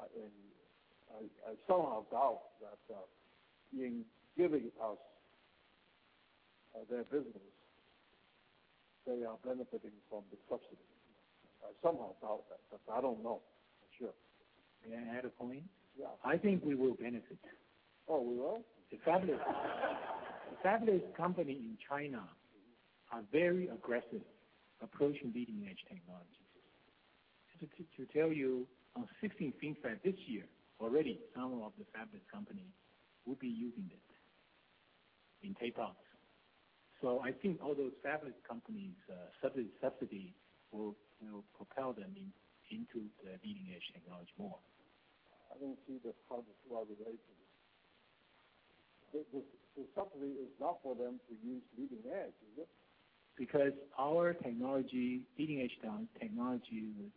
I somehow doubt that in giving us their business, they are benefiting from the subsidy. I somehow doubt that, but I don't know for sure. May I add a point? Yeah. I think we will benefit. Oh, we will? The fabless company in China are very aggressive approaching leading-edge technologies. Just to tell you, on 16 FinFET this year, already some of the fabless companies will be using it in tape outs. I think all those fabless companies, subsidy will propel them into the leading-edge technology more. I don't see how those two are related. The subsidy is not for them to use leading edge, is it? Our leading-edge technology is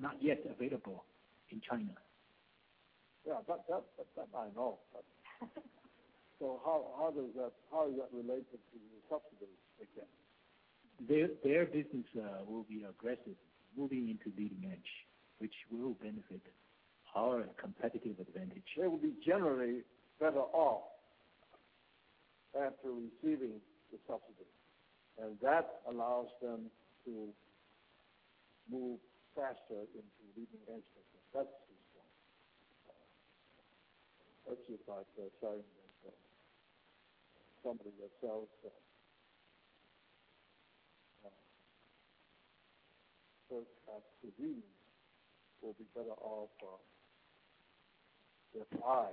not yet available in China. Yeah, that I know. How is that related to the subsidies again? Their business will be aggressive moving into leading edge, which will benefit our competitive advantage. They will be generally better off after receiving the subsidy. That allows them to move faster into leading edge. That's the point. That's just like saying that somebody will sell to us. To me, will be better off if I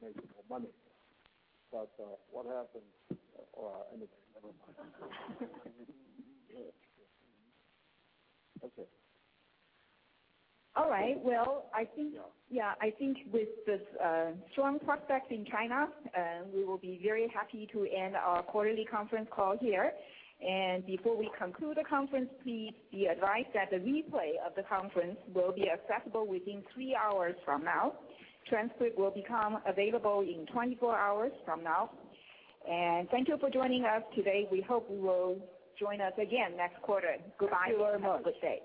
make more money. What happens? Or anything, never mind. Okay. All right. Well, I think with the strong prospect in China, we will be very happy to end our quarterly conference call here. Before we conclude the conference, please be advised that the replay of the conference will be accessible within 3 hours from now. Transcript will become available in 24 hours from now. Thank you for joining us today. We hope you will join us again next quarter. Goodbye and have a good day.